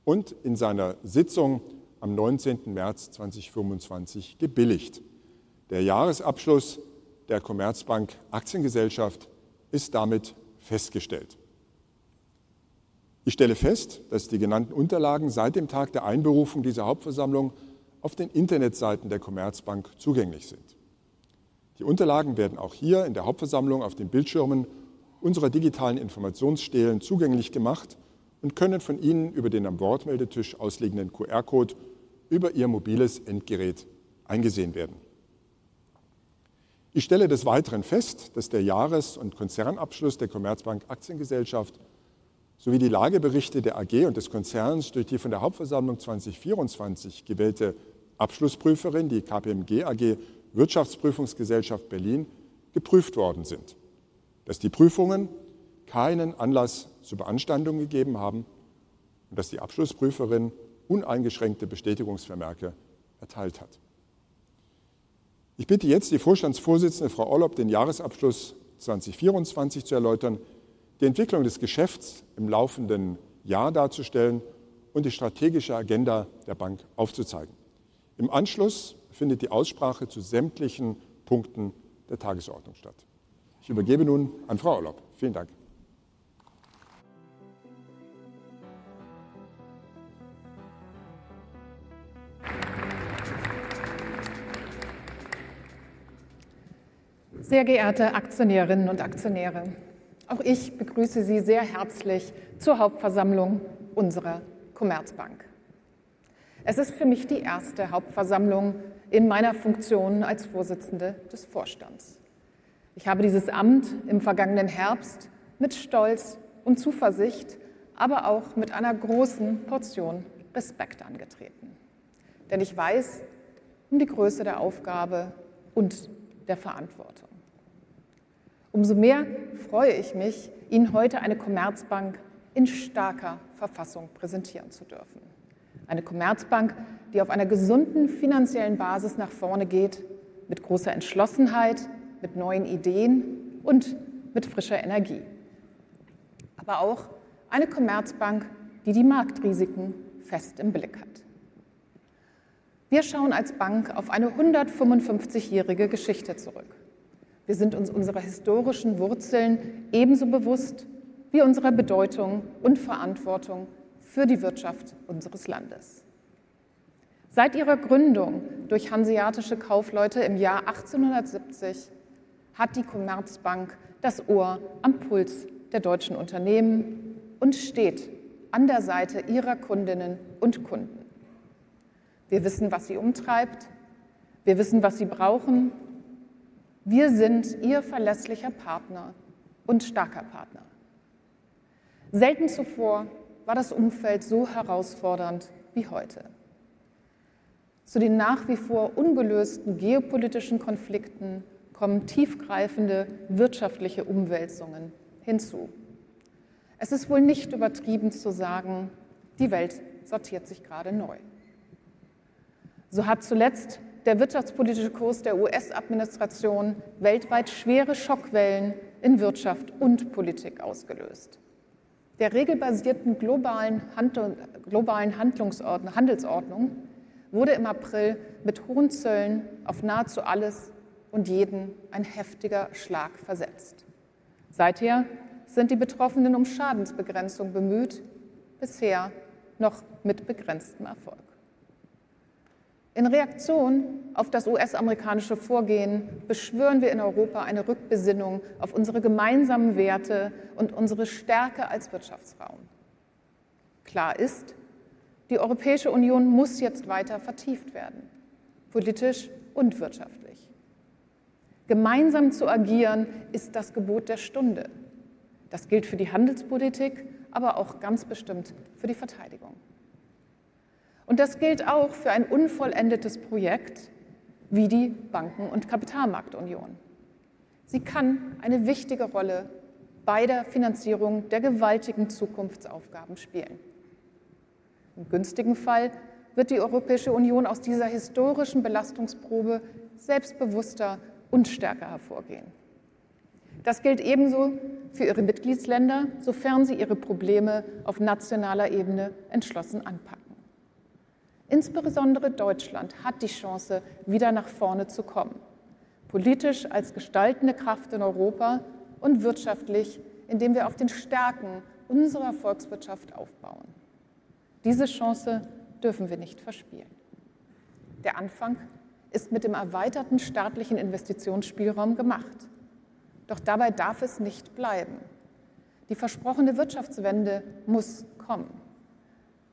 und in seiner Sitzung am 19. März 2025 gebilligt. Der Jahresabschluss der Commerzbank Aktiengesellschaft ist damit festgestellt. Ich stelle fest, dass die genannten Unterlagen seit dem Tag der Einberufung dieser Hauptversammlung auf den Internetseiten der Commerzbank zugänglich sind. Die Unterlagen werden auch hier in der Hauptversammlung auf den Bildschirmen unserer digitalen Informationsstelen zugänglich gemacht und können von Ihnen über den am Wortmeldetisch ausliegenden QR-Code über Ihr mobiles Endgerät eingesehen werden. Ich stelle des Weiteren fest, dass der Jahres- und Konzernabschluss der Commerzbank Aktiengesellschaft sowie die Lageberichte der AG und des Konzerns durch die von der Hauptversammlung 2024 gewählte Abschlussprüferin, die KPMG AG Wirtschaftsprüfungsgesellschaft Berlin, geprüft worden sind. Dass die Prüfungen keinen Anlass zur Beanstandung gegeben haben und dass die Abschlussprüferin uneingeschränkte Bestätigungsvermerke erteilt hat. Ich bitte jetzt die Vorstandsvorsitzende Frau Orlopp, den Jahresabschluss 2024 zu erläutern, die Entwicklung des Geschäfts im laufenden Jahr darzustellen und die strategische Agenda der Bank aufzuzeigen. Im Anschluss findet die Aussprache zu sämtlichen Punkten der Tagesordnung statt. Ich übergebe nun an Frau Orlopp. Vielen Dank. Sehr geehrte Aktionärinnen und Aktionäre, auch ich begrüße Sie sehr herzlich zur Hauptversammlung unserer Commerzbank. Es ist für mich die erste Hauptversammlung in meiner Funktion als Vorsitzende des Vorstands. Ich habe dieses Amt im vergangenen Herbst mit Stolz und Zuversicht, aber auch mit einer großen Portion Respekt angetreten. Denn ich weiß die Größe der Aufgabe und der Verantwortung. Umso mehr freue ich mich, Ihnen heute eine Commerzbank in starker Verfassung präsentieren zu dürfen. Eine Commerzbank, die auf einer gesunden finanziellen Basis nach vorne geht, mit großer Entschlossenheit, mit neuen Ideen und mit frischer Energie. Aber auch eine Commerzbank, die die Marktrisiken fest im Blick hat. Wir schauen als Bank auf eine 155-jährige Geschichte zurück. Wir sind uns unserer historischen Wurzeln ebenso bewusst wie unserer Bedeutung und Verantwortung für die Wirtschaft unseres Landes. Seit ihrer Gründung durch hanseatische Kaufleute im Jahr 1870 hat die Commerzbank das Ohr am Puls der deutschen Unternehmen und steht an der Seite ihrer Kundinnen und Kunden. Wir wissen, was sie umtreibt. Wir wissen, was sie brauchen. Wir sind ihr verlässlicher und starker Partner. Selten zuvor war das Umfeld so herausfordernd wie heute. Zu den nach wie vor ungelösten geopolitischen Konflikten kommen tiefgreifende wirtschaftliche Umwälzungen hinzu. Es ist wohl nicht übertrieben zu sagen, die Welt sortiert sich gerade neu. So hat zuletzt der wirtschaftspolitische Kurs der US-Administration weltweit schwere Schockwellen in Wirtschaft und Politik ausgelöst. Der regelbasierten globalen Handelsordnung wurde im April mit hohen Zöllen auf nahezu alles und jeden ein heftiger Schlag versetzt. Seither sind die Betroffenen um Schadensbegrenzung bemüht, bisher noch mit begrenztem Erfolg. In Reaktion auf das US-amerikanische Vorgehen beschwören wir in Europa eine Rückbesinnung auf unsere gemeinsamen Werte und unsere Stärke als Wirtschaftsraum. Klar ist, die Europäische Union muss jetzt weiter vertieft werden, politisch und wirtschaftlich. Gemeinsam zu agieren, ist das Gebot der Stunde. Das gilt für die Handelspolitik, aber auch ganz bestimmt für die Verteidigung. Das gilt auch für ein unvollendetes Projekt wie die Banken- und Kapitalmarktunion. Sie kann eine wichtige Rolle bei der Finanzierung der gewaltigen Zukunftsaufgaben spielen. Im günstigen Fall wird die Europäische Union aus dieser historischen Belastungsprobe selbstbewusster und stärker hervorgehen. Das gilt ebenso für ihre Mitgliedsländer, sofern sie ihre Probleme auf nationaler Ebene entschlossen anpacken. Insbesondere Deutschland hat die Chance, wieder nach vorne zu kommen. Politisch als gestaltende Kraft in Europa und wirtschaftlich, indem wir auf den Stärken unserer Volkswirtschaft aufbauen. Diese Chance dürfen wir nicht verspielen. Der Anfang ist mit dem erweiterten staatlichen Investitionsspielraum gemacht. Doch dabei darf es nicht bleiben. Die versprochene Wirtschaftswende muss kommen.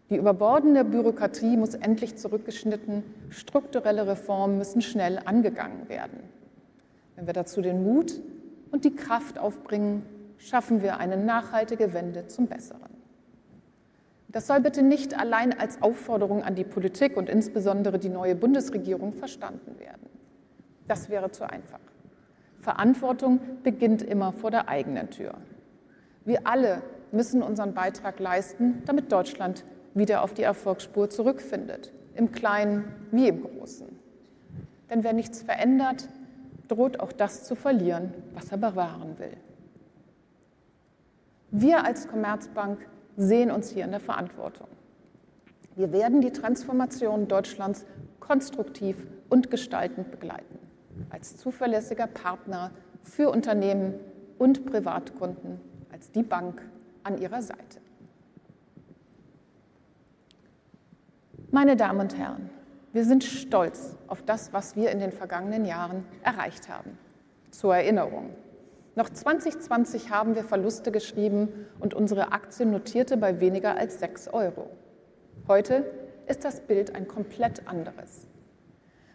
Die überbordende Bürokratie muss endlich zurückgeschnitten, strukturelle Reformen müssen schnell angegangen werden. Wenn wir dazu den Mut und die Kraft aufbringen, schaffen wir eine nachhaltige Wende zum Besseren. Das soll bitte nicht allein als Aufforderung an die Politik und insbesondere die neue Bundesregierung verstanden werden. Das wäre zu einfach. Verantwortung beginnt immer vor der eigenen Tür. Wir alle müssen unseren Beitrag leisten, damit Deutschland wieder auf die Erfolgsspur zurückfindet, im Kleinen wie im Großen. Denn wer nichts verändert, droht auch das zu verlieren, was er bewahren will. Wir als Commerzbank sehen uns hier in der Verantwortung. Wir werden die Transformation Deutschlands konstruktiv und gestaltend begleiten. Als zuverlässiger Partner für Unternehmen und Privatkunden, als die Bank an ihrer Seite. Meine Damen und Herren, wir sind stolz auf das, was wir in den vergangenen Jahren erreicht haben. Zur Erinnerung: Noch 2020 haben wir Verluste geschrieben und unsere Aktie notierte bei weniger als €6. Heute ist das Bild ein komplett anderes.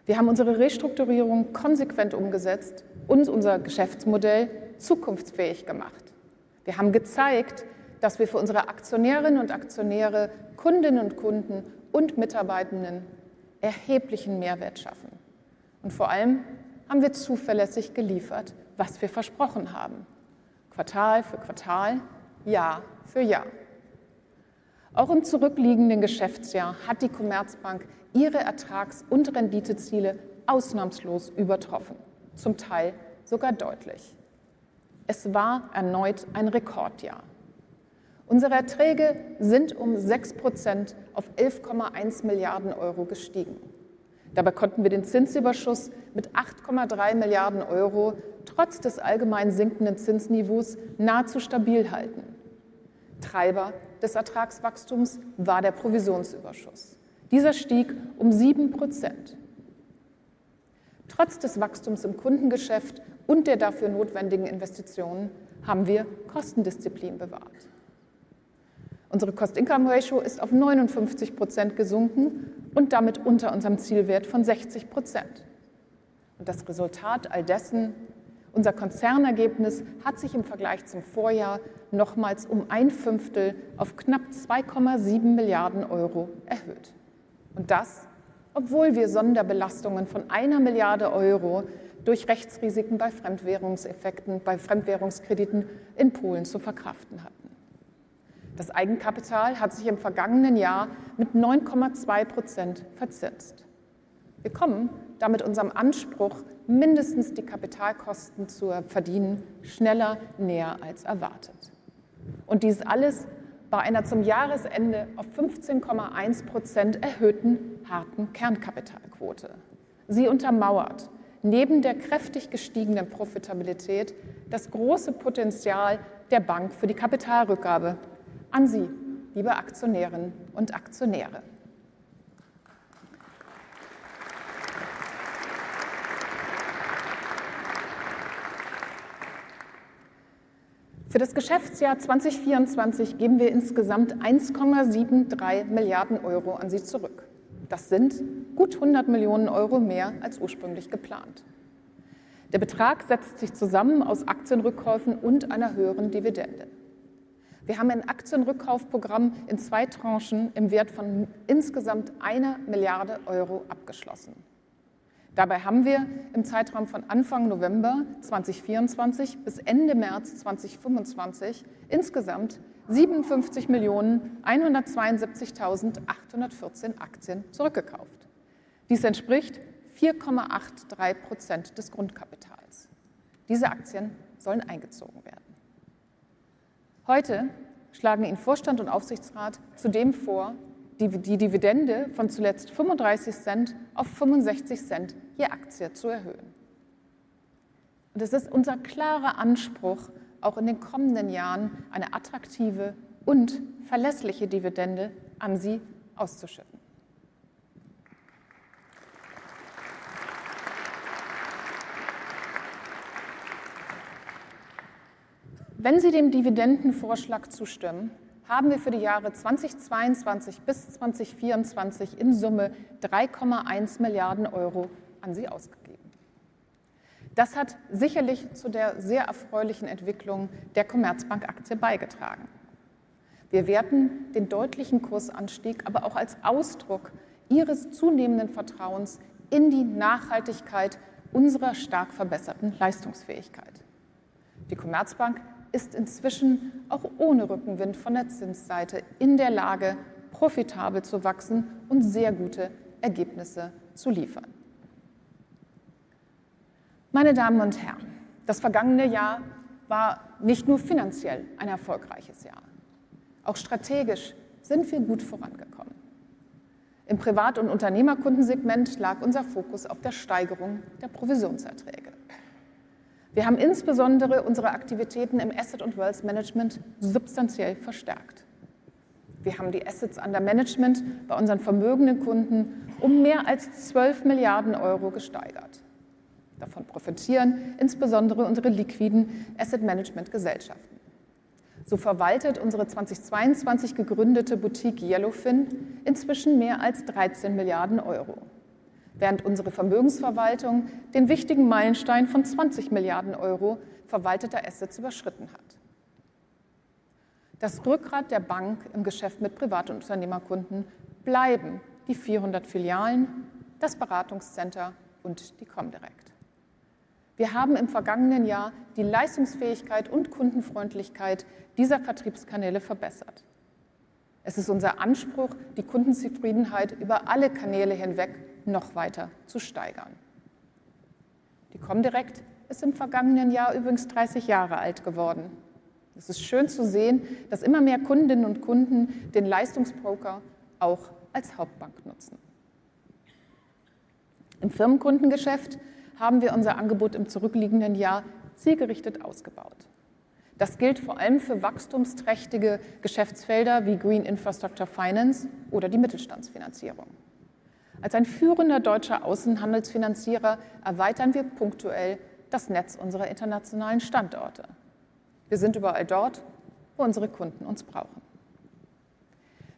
Wir haben unsere Restrukturierung konsequent umgesetzt und unser Geschäftsmodell zukunftsfähig gemacht. Wir haben gezeigt, dass wir für unsere Aktionärinnen und Aktionäre, Kundinnen und Kunden und Mitarbeitenden erheblichen Mehrwert schaffen. Vor allem haben wir zuverlässig geliefert, was wir versprochen haben. Quartal für Quartal, Jahr für Jahr. Auch im zurückliegenden Geschäftsjahr hat die Commerzbank ihre Ertrags- und Renditeziele ausnahmslos übertroffen, zum Teil sogar deutlich. Es war erneut ein Rekordjahr. Unsere Erträge sind 6% auf €11,1 Milliarden gestiegen. Dabei konnten wir den Zinsüberschuss mit €8,3 Milliarden trotz des allgemein sinkenden Zinsniveaus nahezu stabil halten. Treiber des Ertragswachstums war der Provisionsüberschuss. Dieser stieg 7%. Trotz des Wachstums im Kundengeschäft und der dafür notwendigen Investitionen haben wir Kostendisziplin bewahrt. Unsere Cost-Income-Ratio ist auf 59% gesunken und damit unter unserem Zielwert von 60%. Das Resultat all dessen: Unser Konzernergebnis hat sich im Vergleich zum Vorjahr nochmals um ein Fünftel auf knapp €2,7 Milliarden erhöht. Das, obwohl wir Sonderbelastungen von €1 Milliarde durch Rechtsrisiken bei Fremdwährungseffekten bei Fremdwährungskrediten in Polen zu verkraften hatten. Das Eigenkapital hat sich im vergangenen Jahr mit 9,2% verzinst. Wir kommen damit unserem Anspruch, mindestens die Kapitalkosten zu verdienen, schneller näher als erwartet. Dies alles bei einer zum Jahresende auf 15,1% erhöhten harten Kernkapitalquote. Sie untermauert neben der kräftig gestiegenen Profitabilität das große Potenzial der Bank für die Kapitalrückgabe an Sie, liebe Aktionärinnen und Aktionäre. Für das Geschäftsjahr 2024 geben wir insgesamt €1,73 Milliarden an Sie zurück. Das sind gut €100 Millionen mehr als ursprünglich geplant. Der Betrag setzt sich zusammen aus Aktienrückkäufen und einer höheren Dividende. Wir haben ein Aktienrückkaufprogramm in zwei Tranchen im Wert von insgesamt einer Milliarde Euro abgeschlossen. Dabei haben wir im Zeitraum von Anfang November 2024 bis Ende März 2025 insgesamt 57.172.814 Aktien zurückgekauft. Dies entspricht 4,83% des Grundkapitals. Diese Aktien sollen eingezogen werden. Heute schlagen Ihnen Vorstand und Aufsichtsrat zudem vor, die Dividende von zuletzt 35 Cent auf 65 Cent je Aktie zu erhöhen. Es ist unser klarer Anspruch, auch in den kommenden Jahren eine attraktive und verlässliche Dividende an Sie auszuschütten. Wenn Sie dem Dividendenvorschlag zustimmen, haben wir für die Jahre 2022 bis 2024 in Summe €3,1 Milliarden an Sie ausgegeben. Das hat sicherlich zu der sehr erfreulichen Entwicklung der Commerzbank-Aktie beigetragen. Wir werten den deutlichen Kursanstieg aber auch als Ausdruck Ihres zunehmenden Vertrauens in die Nachhaltigkeit unserer stark verbesserten Leistungsfähigkeit. Die Commerzbank ist inzwischen auch ohne Rückenwind von der Zinsseite in der Lage, profitabel zu wachsen und sehr gute Ergebnisse zu liefern. Meine Damen und Herren, das vergangene Jahr war nicht nur finanziell ein erfolgreiches Jahr. Auch strategisch sind wir gut vorangekommen. Im Privat- und Unternehmerkundensegment lag unser Fokus auf der Steigerung der Provisionserträge. Wir haben insbesondere unsere Aktivitäten im Asset- und Wealth Management substanziell verstärkt. Wir haben die Assets under Management bei unseren vermögenden Kunden um mehr als €12 Milliarden gesteigert. Davon profitieren insbesondere unsere liquiden Asset Management Gesellschaften. So verwaltet unsere 2022 gegründete Boutique Yellowfin inzwischen mehr als €13 Milliarden, während unsere Vermögensverwaltung den wichtigen Meilenstein von €20 Milliarden verwalteter Assets überschritten hat. Das Rückgrat der Bank im Geschäft mit Privat- und Unternehmerkunden bleiben die 400 Filialen, das Beratungscenter und die Comdirect. Wir haben im vergangenen Jahr die Leistungsfähigkeit und Kundenfreundlichkeit dieser Vertriebskanäle verbessert. Es ist unser Anspruch, die Kundenzufriedenheit über alle Kanäle hinweg noch weiter zu steigern. Die Comdirect ist im vergangenen Jahr übrigens 30 Jahre alt geworden. Es ist schön zu sehen, dass immer mehr Kundinnen und Kunden den Leistungsbroker auch als Hauptbank nutzen. Im Firmenkundengeschäft haben wir unser Angebot im zurückliegenden Jahr zielgerichtet ausgebaut. Das gilt vor allem für wachstumsträchtige Geschäftsfelder wie Green Infrastructure Finance oder die Mittelstandsfinanzierung. Als ein führender deutscher Außenhandelsfinanzierer erweitern wir punktuell das Netz unserer internationalen Standorte. Wir sind überall dort, wo unsere Kunden uns brauchen.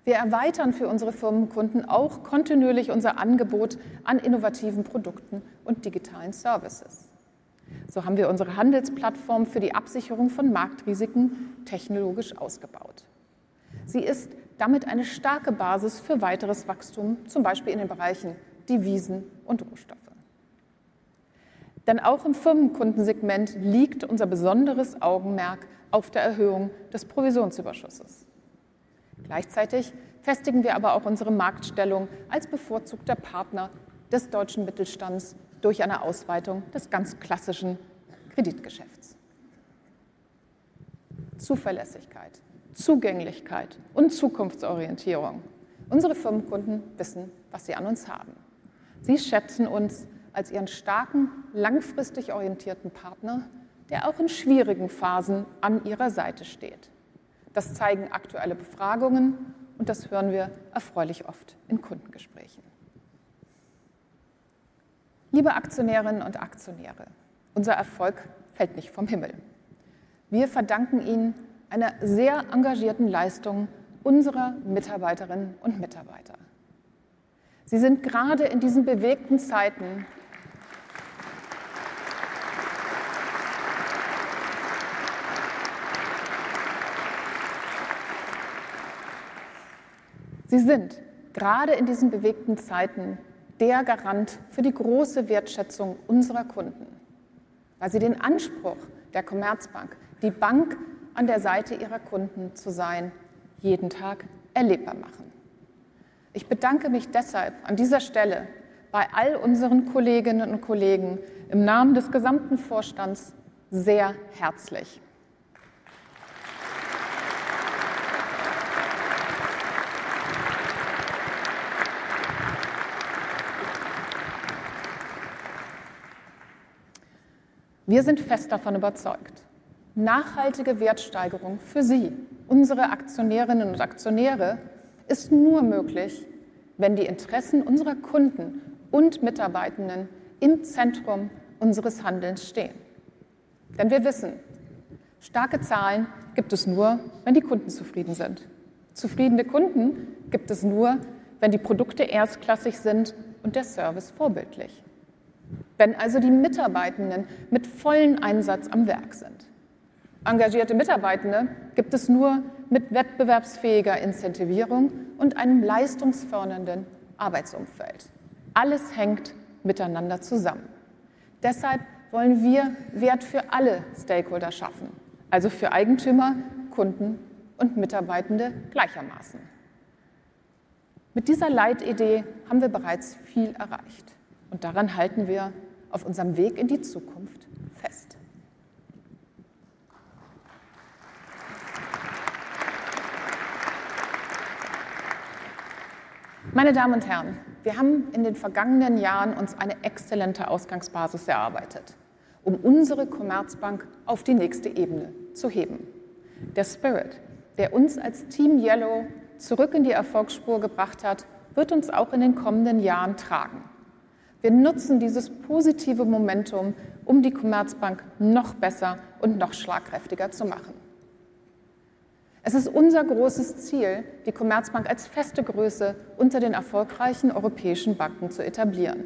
Wir erweitern für unsere Firmenkunden auch kontinuierlich unser Angebot an innovativen Produkten und digitalen Services. So haben wir unsere Handelsplattform für die Absicherung von Marktrisiken technologisch ausgebaut. Sie ist damit eine starke Basis für weiteres Wachstum, zum Beispiel in den Bereichen Devisen und Rohstoffe. Denn auch im Firmenkundensegment liegt unser besonderes Augenmerk auf der Erhöhung des Provisionsüberschusses. Gleichzeitig festigen wir aber auch unsere Marktstellung als bevorzugter Partner des deutschen Mittelstands durch eine Ausweitung des ganz klassischen Kreditgeschäfts. Zuverlässigkeit, Zugänglichkeit und Zukunftsorientierung: Unsere Firmenkunden wissen, was sie an uns haben. Sie schätzen uns als ihren starken, langfristig orientierten Partner, der auch in schwierigen Phasen an ihrer Seite steht. Das zeigen aktuelle Befragungen, und das hören wir erfreulich oft in Kundengesprächen. Liebe Aktionärinnen und Aktionäre, unser Erfolg fällt nicht vom Himmel. Wir verdanken ihn einer sehr engagierten Leistung unserer Mitarbeiterinnen und Mitarbeiter. Sie sind gerade in diesen bewegten Zeiten der Garant für die große Wertschätzung unserer Kunden, weil sie den Anspruch der Commerzbank, die Bank an der Seite ihrer Kunden zu sein, jeden Tag erlebbar machen. Ich bedanke mich deshalb an dieser Stelle bei all unseren Kolleginnen und Kollegen im Namen des gesamten Vorstands sehr herzlich. Wir sind fest davon überzeugt: Nachhaltige Wertsteigerung für Sie, unsere Aktionärinnen und Aktionäre, ist nur möglich, wenn die Interessen unserer Kunden und Mitarbeitenden im Zentrum unseres Handelns stehen. Denn wir wissen: Starke Zahlen gibt es nur, wenn die Kunden zufrieden sind. Zufriedene Kunden gibt es nur, wenn die Produkte erstklassig sind und der Service vorbildlich. Wenn also die Mitarbeitenden mit vollem Einsatz am Werk sind. Engagierte Mitarbeitende gibt es nur mit wettbewerbsfähiger Incentivierung und einem leistungsfördernden Arbeitsumfeld. Alles hängt miteinander zusammen. Deshalb wollen wir Wert für alle Stakeholder schaffen, also für Eigentümer, Kunden und Mitarbeitende gleichermaßen. Mit dieser Leitidee haben wir bereits viel erreicht, und daran halten wir auf unserem Weg in die Zukunft fest. Meine Damen und Herren, wir haben in den vergangenen Jahren eine exzellente Ausgangsbasis erarbeitet, unsere Commerzbank auf die nächste Ebene zu heben. Der Spirit, der uns als Team Yellow zurück in die Erfolgsspur gebracht hat, wird uns auch in den kommenden Jahren tragen. Wir nutzen dieses positive Momentum, die Commerzbank noch besser und noch schlagkräftiger zu machen. Es ist unser großes Ziel, die Commerzbank als feste Größe unter den erfolgreichen europäischen Banken zu etablieren.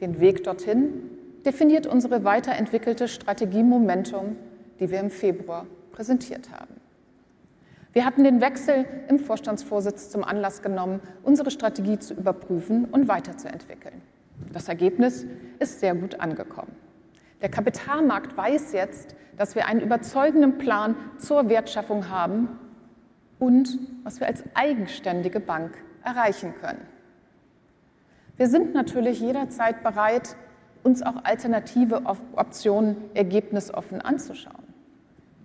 Den Weg dorthin definiert unsere weiterentwickelte Strategie Momentum, die wir im Februar präsentiert haben. Wir hatten den Wechsel im Vorstandsvorsitz zum Anlass genommen, unsere Strategie zu überprüfen und weiterzuentwickeln. Das Ergebnis ist sehr gut angekommen. Der Kapitalmarkt weiß jetzt, dass wir einen überzeugenden Plan zur Wertschaffung haben und was wir als eigenständige Bank erreichen können. Wir sind natürlich jederzeit bereit, uns auch alternative Optionen ergebnisoffen anzuschauen.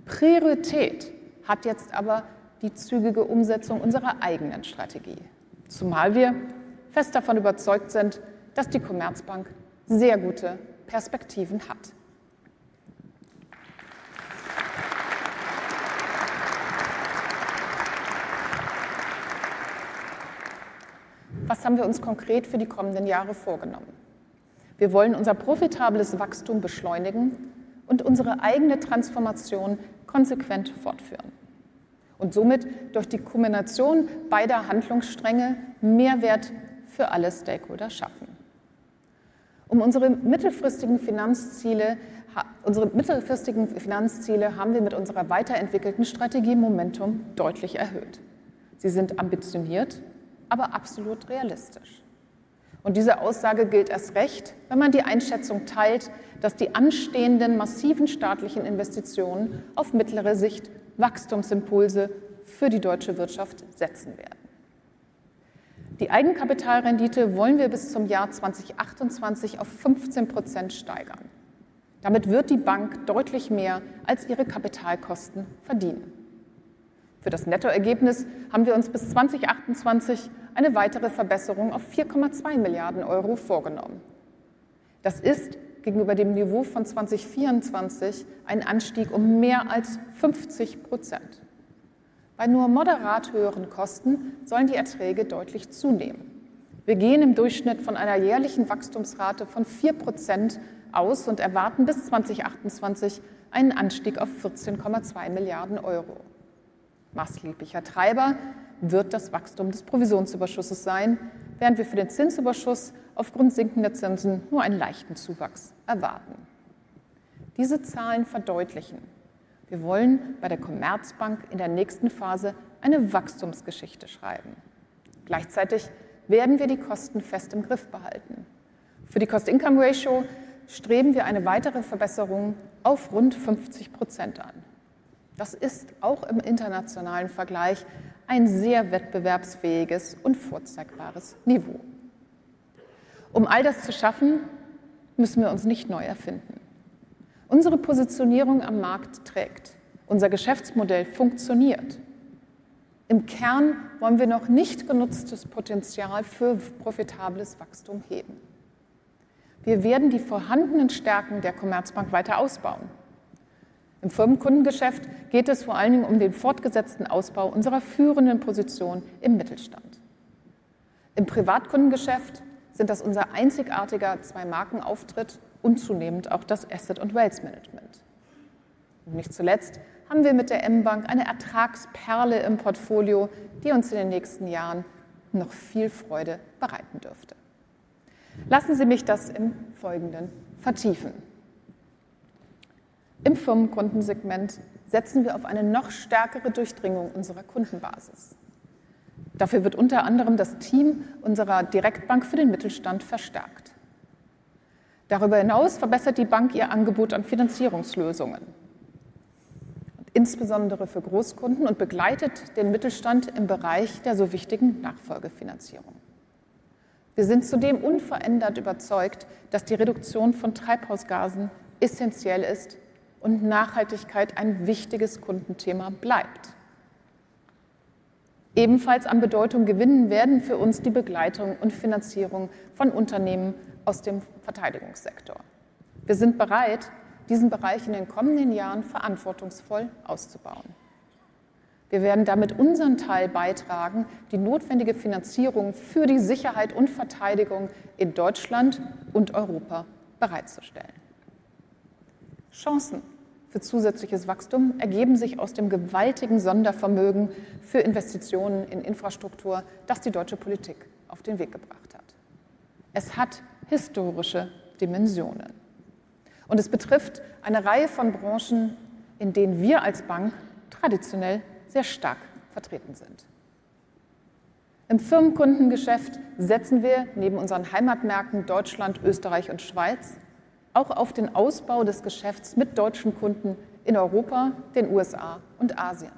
Priorität hat jetzt aber die zügige Umsetzung unserer eigenen Strategie, zumal wir fest davon überzeugt sind, dass die Commerzbank sehr gute Perspektiven hat. Was haben wir uns konkret für die kommenden Jahre vorgenommen? Wir wollen unser profitables Wachstum beschleunigen und unsere eigene Transformation konsequent fortführen und somit durch die Kombination beider Handlungsstränge Mehrwert für alle Stakeholder schaffen. Unsere mittelfristigen Finanzziele haben wir mit unserer weiterentwickelten Strategie Momentum deutlich erhöht. Sie sind ambitioniert, aber absolut realistisch. Diese Aussage gilt erst recht, wenn man die Einschätzung teilt, dass die anstehenden massiven staatlichen Investitionen auf mittlere Sicht Wachstumsimpulse für die deutsche Wirtschaft setzen werden. Die Eigenkapitalrendite wollen wir bis zum Jahr 2028 auf 15% steigern. Damit wird die Bank deutlich mehr als ihre Kapitalkosten verdienen. Für das Nettoergebnis haben wir uns bis 2028 eine weitere Verbesserung auf €4,2 Milliarden vorgenommen. Das ist gegenüber dem Niveau von 2024 ein Anstieg von mehr als 50%. Bei nur moderat höheren Kosten sollen die Erträge deutlich zunehmen. Wir gehen im Durchschnitt von einer jährlichen Wachstumsrate von 4% aus und erwarten bis 2028 einen Anstieg auf €14,2 Milliarden. Maßgeblicher Treiber wird das Wachstum des Provisionsüberschusses sein, während wir für den Zinsüberschuss aufgrund sinkender Zinsen nur einen leichten Zuwachs erwarten. Diese Zahlen verdeutlichen: Wir wollen bei der Commerzbank in der nächsten Phase eine Wachstumsgeschichte schreiben. Gleichzeitig werden wir die Kosten fest im Griff behalten. Für die Cost-Income-Ratio streben wir eine weitere Verbesserung auf rund 50% an. Das ist auch im internationalen Vergleich ein sehr wettbewerbsfähiges und vorzeigbares Niveau. Um all das zu schaffen, müssen wir uns nicht neu erfinden. Unsere Positionierung am Markt trägt. Unser Geschäftsmodell funktioniert. Im Kern wollen wir noch nicht genutztes Potenzial für profitables Wachstum heben. Wir werden die vorhandenen Stärken der Commerzbank weiter ausbauen. Im Firmenkundengeschäft geht es vor allen Dingen um den fortgesetzten Ausbau unserer führenden Position im Mittelstand. Im Privatkundengeschäft sind das unser einzigartiger Zwei-Marken-Auftritt und zunehmend auch das Asset- und Wealth Management. Nicht zuletzt haben wir mit der M-Bank eine Ertragsperle im Portfolio, die uns in den nächsten Jahren noch viel Freude bereiten dürfte. Lassen Sie mich das im Folgenden vertiefen. Im Firmenkundensegment setzen wir auf eine noch stärkere Durchdringung unserer Kundenbasis. Dafür wird unter anderem das Team unserer Direktbank für den Mittelstand verstärkt. Darüber hinaus verbessert die Bank ihr Angebot an Finanzierungslösungen, insbesondere für Großkunden, und begleitet den Mittelstand im Bereich der so wichtigen Nachfolgefinanzierung. Wir sind zudem unverändert überzeugt, dass die Reduktion von Treibhausgasen essenziell ist und Nachhaltigkeit ein wichtiges Kundenthema bleibt. Ebenfalls an Bedeutung gewinnen werden für uns die Begleitung und Finanzierung von Unternehmen aus dem Verteidigungssektor. Wir sind bereit, diesen Bereich in den kommenden Jahren verantwortungsvoll auszubauen. Wir werden damit unseren Teil beitragen, die notwendige Finanzierung für die Sicherheit und Verteidigung in Deutschland und Europa bereitzustellen. Chancen für zusätzliches Wachstum ergeben sich aus dem gewaltigen Sondervermögen für Investitionen in Infrastruktur, das die deutsche Politik auf den Weg gebracht hat. Es hat historische Dimensionen, und es betrifft eine Reihe von Branchen, in denen wir als Bank traditionell sehr stark vertreten sind. Im Firmenkundengeschäft setzen wir neben unseren Heimatmärkten Deutschland, Österreich und Schweiz auch auf den Ausbau des Geschäfts mit deutschen Kunden in Europa, den USA und Asien.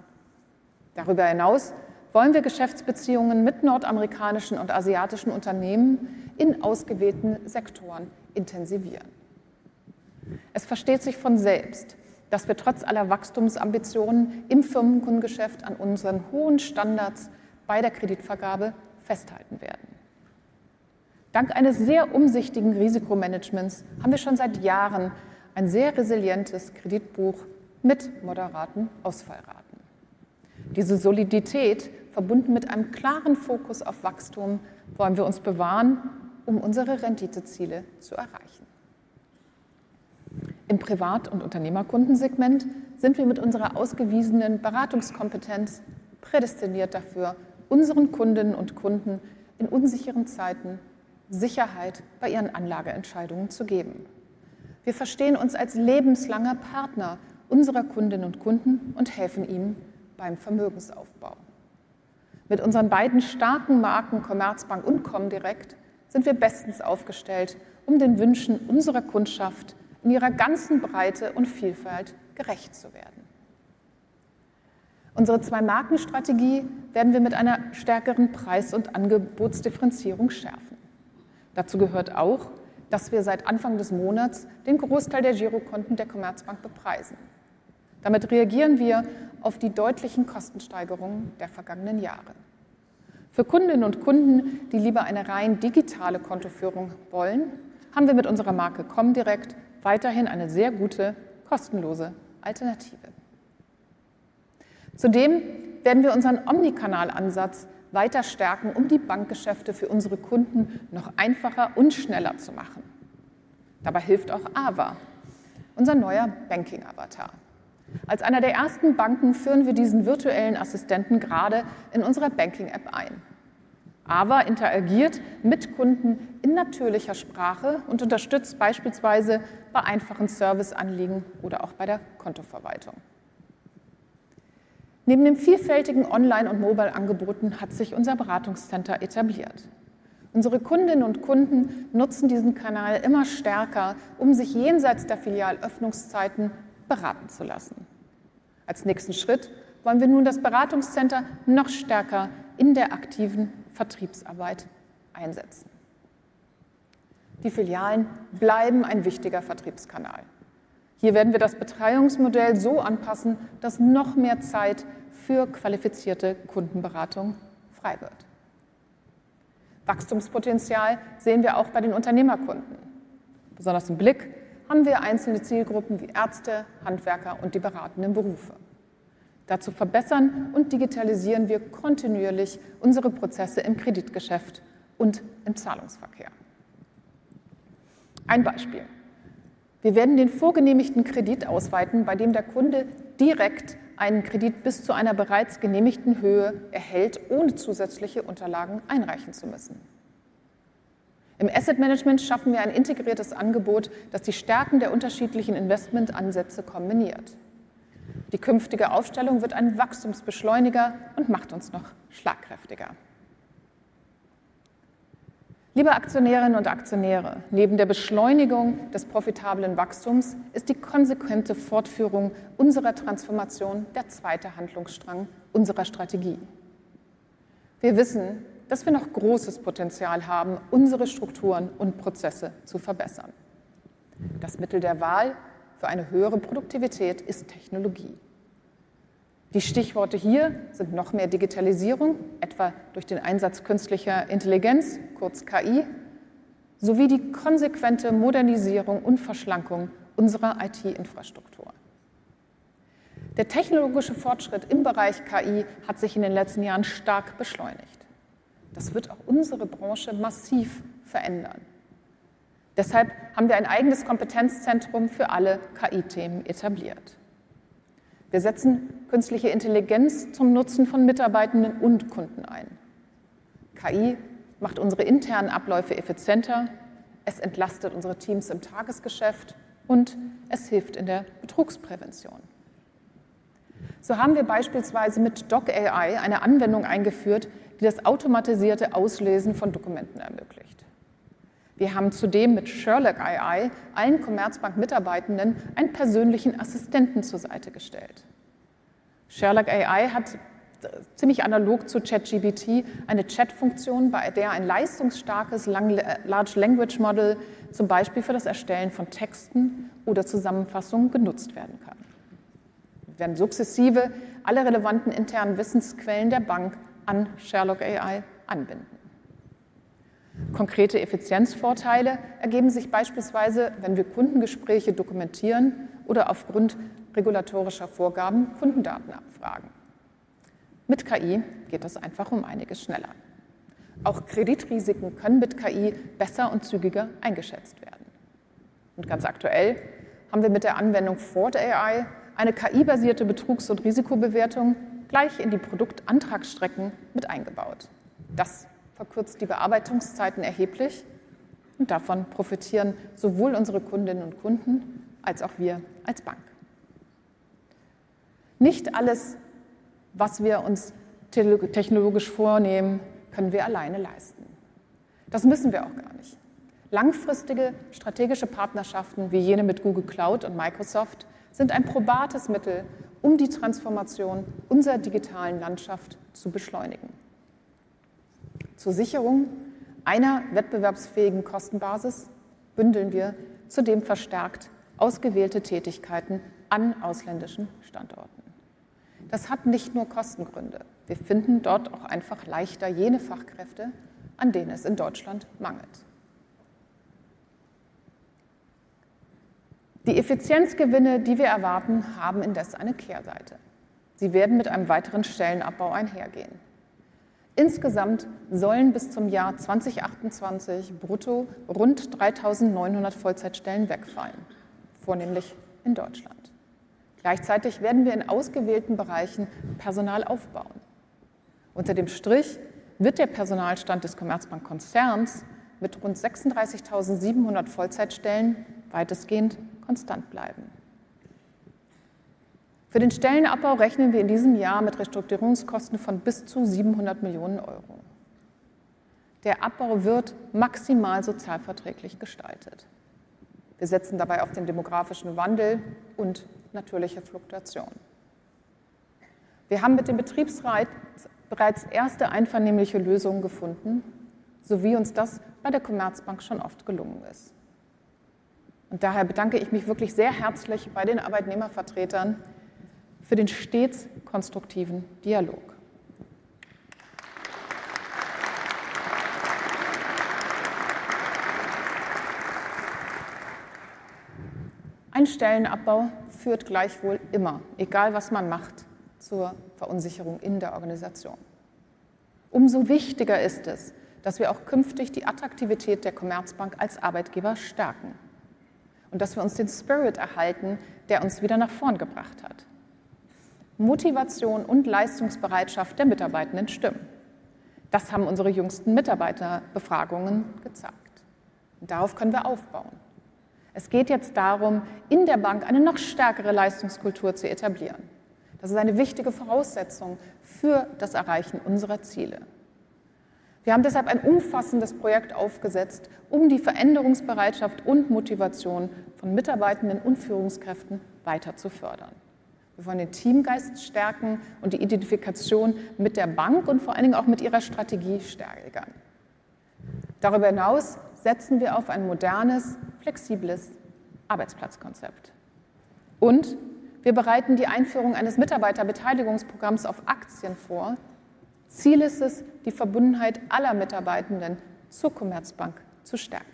Darüber hinaus wollen wir Geschäftsbeziehungen mit nordamerikanischen und asiatischen Unternehmen in ausgewählten Sektoren intensivieren. Es versteht sich von selbst, dass wir trotz aller Wachstumsambitionen im Firmenkundengeschäft an unseren hohen Standards bei der Kreditvergabe festhalten werden. Dank eines sehr umsichtigen Risikomanagements haben wir schon seit Jahren ein sehr resilientes Kreditbuch mit moderaten Ausfallraten. Diese Solidität, verbunden mit einem klaren Fokus auf Wachstum, wollen wir uns bewahren, um unsere Renditeziele zu erreichen. Im Privat- und Unternehmerkundensegment sind wir mit unserer ausgewiesenen Beratungskompetenz prädestiniert dafür, unseren Kundinnen und Kunden in unsicheren Zeiten Sicherheit bei ihren Anlageentscheidungen zu geben. Wir verstehen uns als lebenslanger Partner unserer Kundinnen und Kunden und helfen ihnen beim Vermögensaufbau. Mit unseren beiden starken Marken Commerzbank und Comdirect sind wir bestens aufgestellt, den Wünschen unserer Kundschaft in ihrer ganzen Breite und Vielfalt gerecht zu werden. Unsere Zwei-Marken-Strategie werden wir mit einer stärkeren Preis- und Angebotsdifferenzierung schärfen. Dazu gehört auch, dass wir seit Anfang des Monats den Großteil der Girokonten der Commerzbank bepreisen. Damit reagieren wir auf die deutlichen Kostensteigerungen der vergangenen Jahre. Für Kundinnen und Kunden, die lieber eine rein digitale Kontoführung wollen, haben wir mit unserer Marke Comdirect weiterhin eine sehr gute kostenlose Alternative. Zudem werden wir unseren Omni-Kanal-Ansatz weiter stärken, die Bankgeschäfte für unsere Kunden noch einfacher und schneller zu machen. Dabei hilft auch AVA, unser neuer Banking-Avatar. Als einer der ersten Banken führen wir diesen virtuellen Assistenten gerade in unserer Banking-App ein. AVA interagiert mit Kunden in natürlicher Sprache und unterstützt beispielsweise bei einfachen Serviceanliegen oder auch bei der Kontoverwaltung. Neben den vielfältigen Online- und Mobile-Angeboten hat sich unser Beratungszentrum etabliert. Unsere Kundinnen und Kunden nutzen diesen Kanal immer stärker, sich jenseits der Filialöffnungszeiten beraten zu lassen. Als nächsten Schritt wollen wir nun das Beratungszentrum noch stärker in der aktiven Vertriebsarbeit einsetzen. Die Filialen bleiben ein wichtiger Vertriebskanal. Hier werden wir das Betreuungsmodell so anpassen, dass noch mehr Zeit für qualifizierte Kundenberatung frei wird. Wachstumspotenzial sehen wir auch bei den Unternehmerkunden. Besonders im Blick haben wir einzelne Zielgruppen wie Ärzte, Handwerker und die beratenden Berufe. Dazu verbessern und digitalisieren wir kontinuierlich unsere Prozesse im Kreditgeschäft und im Zahlungsverkehr. Ein Beispiel: Wir werden den vorgenehmigten Kredit ausweiten, bei dem der Kunde direkt einen Kredit bis zu einer bereits genehmigten Höhe erhält, ohne zusätzliche Unterlagen einreichen zu müssen. Im Asset Management schaffen wir ein integriertes Angebot, das die Stärken der unterschiedlichen Investmentansätze kombiniert. Die künftige Aufstellung wird ein Wachstumsbeschleuniger und macht uns noch schlagkräftiger. Liebe Aktionärinnen und Aktionäre, neben der Beschleunigung des profitablen Wachstums ist die konsequente Fortführung unserer Transformation der zweite Handlungsstrang unserer Strategie. Wir wissen, dass wir noch großes Potenzial haben, unsere Strukturen und Prozesse zu verbessern. Das Mittel der Wahl für eine höhere Produktivität ist Technologie. Die Stichworte hier sind noch mehr Digitalisierung, etwa durch den Einsatz künstlicher Intelligenz, kurz KI, sowie die konsequente Modernisierung und Verschlankung unserer IT-Infrastruktur. Der technologische Fortschritt im Bereich KI hat sich in den letzten Jahren stark beschleunigt. Das wird auch unsere Branche massiv verändern. Deshalb haben wir ein eigenes Kompetenzzentrum für alle KI-Themen etabliert. Wir setzen künstliche Intelligenz zum Nutzen von Mitarbeitenden und Kunden ein. KI macht unsere internen Abläufe effizienter, es entlastet unsere Teams im Tagesgeschäft und es hilft in der Betrugsprävention. So haben wir beispielsweise mit DocAI eine Anwendung eingeführt, die das automatisierte Auslesen von Dokumenten ermöglicht. Wir haben zudem mit SherlockAI allen Commerzbank-Mitarbeitenden einen persönlichen Assistenten zur Seite gestellt. SherlockAI hat, ziemlich analog zu ChatGPT, eine Chat-Funktion, bei der ein leistungsstarkes Large Language Model zum Beispiel für das Erstellen von Texten oder Zusammenfassungen genutzt werden kann. Wir werden sukzessive alle relevanten internen Wissensquellen der Bank an SherlockAI anbinden. Konkrete Effizienzvorteile ergeben sich beispielsweise, wenn wir Kundengespräche dokumentieren oder aufgrund regulatorischer Vorgaben Kundendaten abfragen. Mit KI geht das einfach einiges schneller. Auch Kreditrisiken können mit KI besser und zügiger eingeschätzt werden. Und ganz aktuell haben wir mit der Anwendung FraudAI eine KI-basierte Betrugs- und Risikobewertung gleich in die Produktantragsstrecken mit eingebaut. Das verkürzt die Bearbeitungszeiten erheblich, und davon profitieren sowohl unsere Kundinnen und Kunden als auch wir als Bank. Nicht alles, was wir uns technologisch vornehmen, können wir alleine leisten. Das müssen wir auch gar nicht. Langfristige strategische Partnerschaften wie jene mit Google Cloud und Microsoft sind ein probates Mittel, die Transformation unserer digitalen Landschaft zu beschleunigen. Zur Sicherung einer wettbewerbsfähigen Kostenbasis bündeln wir zudem verstärkt ausgewählte Tätigkeiten an ausländischen Standorten. Das hat nicht nur Kostengründe. Wir finden dort auch einfach leichter jene Fachkräfte, an denen es in Deutschland mangelt. Die Effizienzgewinne, die wir erwarten, haben indes eine Kehrseite. Sie werden mit einem weiteren Stellenabbau einhergehen. Insgesamt sollen bis zum Jahr 2028 brutto rund 3.900 Vollzeitstellen wegfallen, vornehmlich in Deutschland. Gleichzeitig werden wir in ausgewählten Bereichen Personal aufbauen. Unter dem Strich wird der Personalstand des Commerzbank-Konzerns mit rund 36.700 Vollzeitstellen weitestgehend konstant bleiben. Für den Stellenabbau rechnen wir in diesem Jahr mit Restrukturierungskosten von bis zu €700 Millionen. Der Abbau wird maximal sozialverträglich gestaltet. Wir setzen dabei auf den demografischen Wandel und natürliche Fluktuation. Wir haben mit dem Betriebsrat bereits erste einvernehmliche Lösungen gefunden, so wie uns das bei der Commerzbank schon oft gelungen ist. Daher bedanke ich mich wirklich sehr herzlich bei den Arbeitnehmervertretern für den stets konstruktiven Dialog. Ein Stellenabbau führt gleichwohl immer, egal was man macht, zur Verunsicherung in der Organisation. Umso wichtiger ist es, dass wir auch künftig die Attraktivität der Commerzbank als Arbeitgeber stärken und dass wir uns den Spirit erhalten, der uns wieder nach vorn gebracht hat. Motivation und Leistungsbereitschaft der Mitarbeitenden stimmen. Das haben unsere jüngsten Mitarbeiterbefragungen gezeigt. Darauf können wir aufbauen. Es geht jetzt darum, in der Bank eine noch stärkere Leistungskultur zu etablieren. Das ist eine wichtige Voraussetzung für das Erreichen unserer Ziele. Wir haben deshalb ein umfassendes Projekt aufgesetzt, die Veränderungsbereitschaft und Motivation von Mitarbeitenden und Führungskräften weiter zu fördern. Wir wollen den Teamgeist stärken und die Identifikation mit der Bank und vor allen Dingen auch mit ihrer Strategie stärken. Darüber hinaus setzen wir auf ein modernes, flexibles Arbeitsplatzkonzept. Wir bereiten die Einführung eines Mitarbeiterbeteiligungsprogramms auf Aktien vor. Ziel ist es, die Verbundenheit aller Mitarbeitenden zur Commerzbank zu stärken.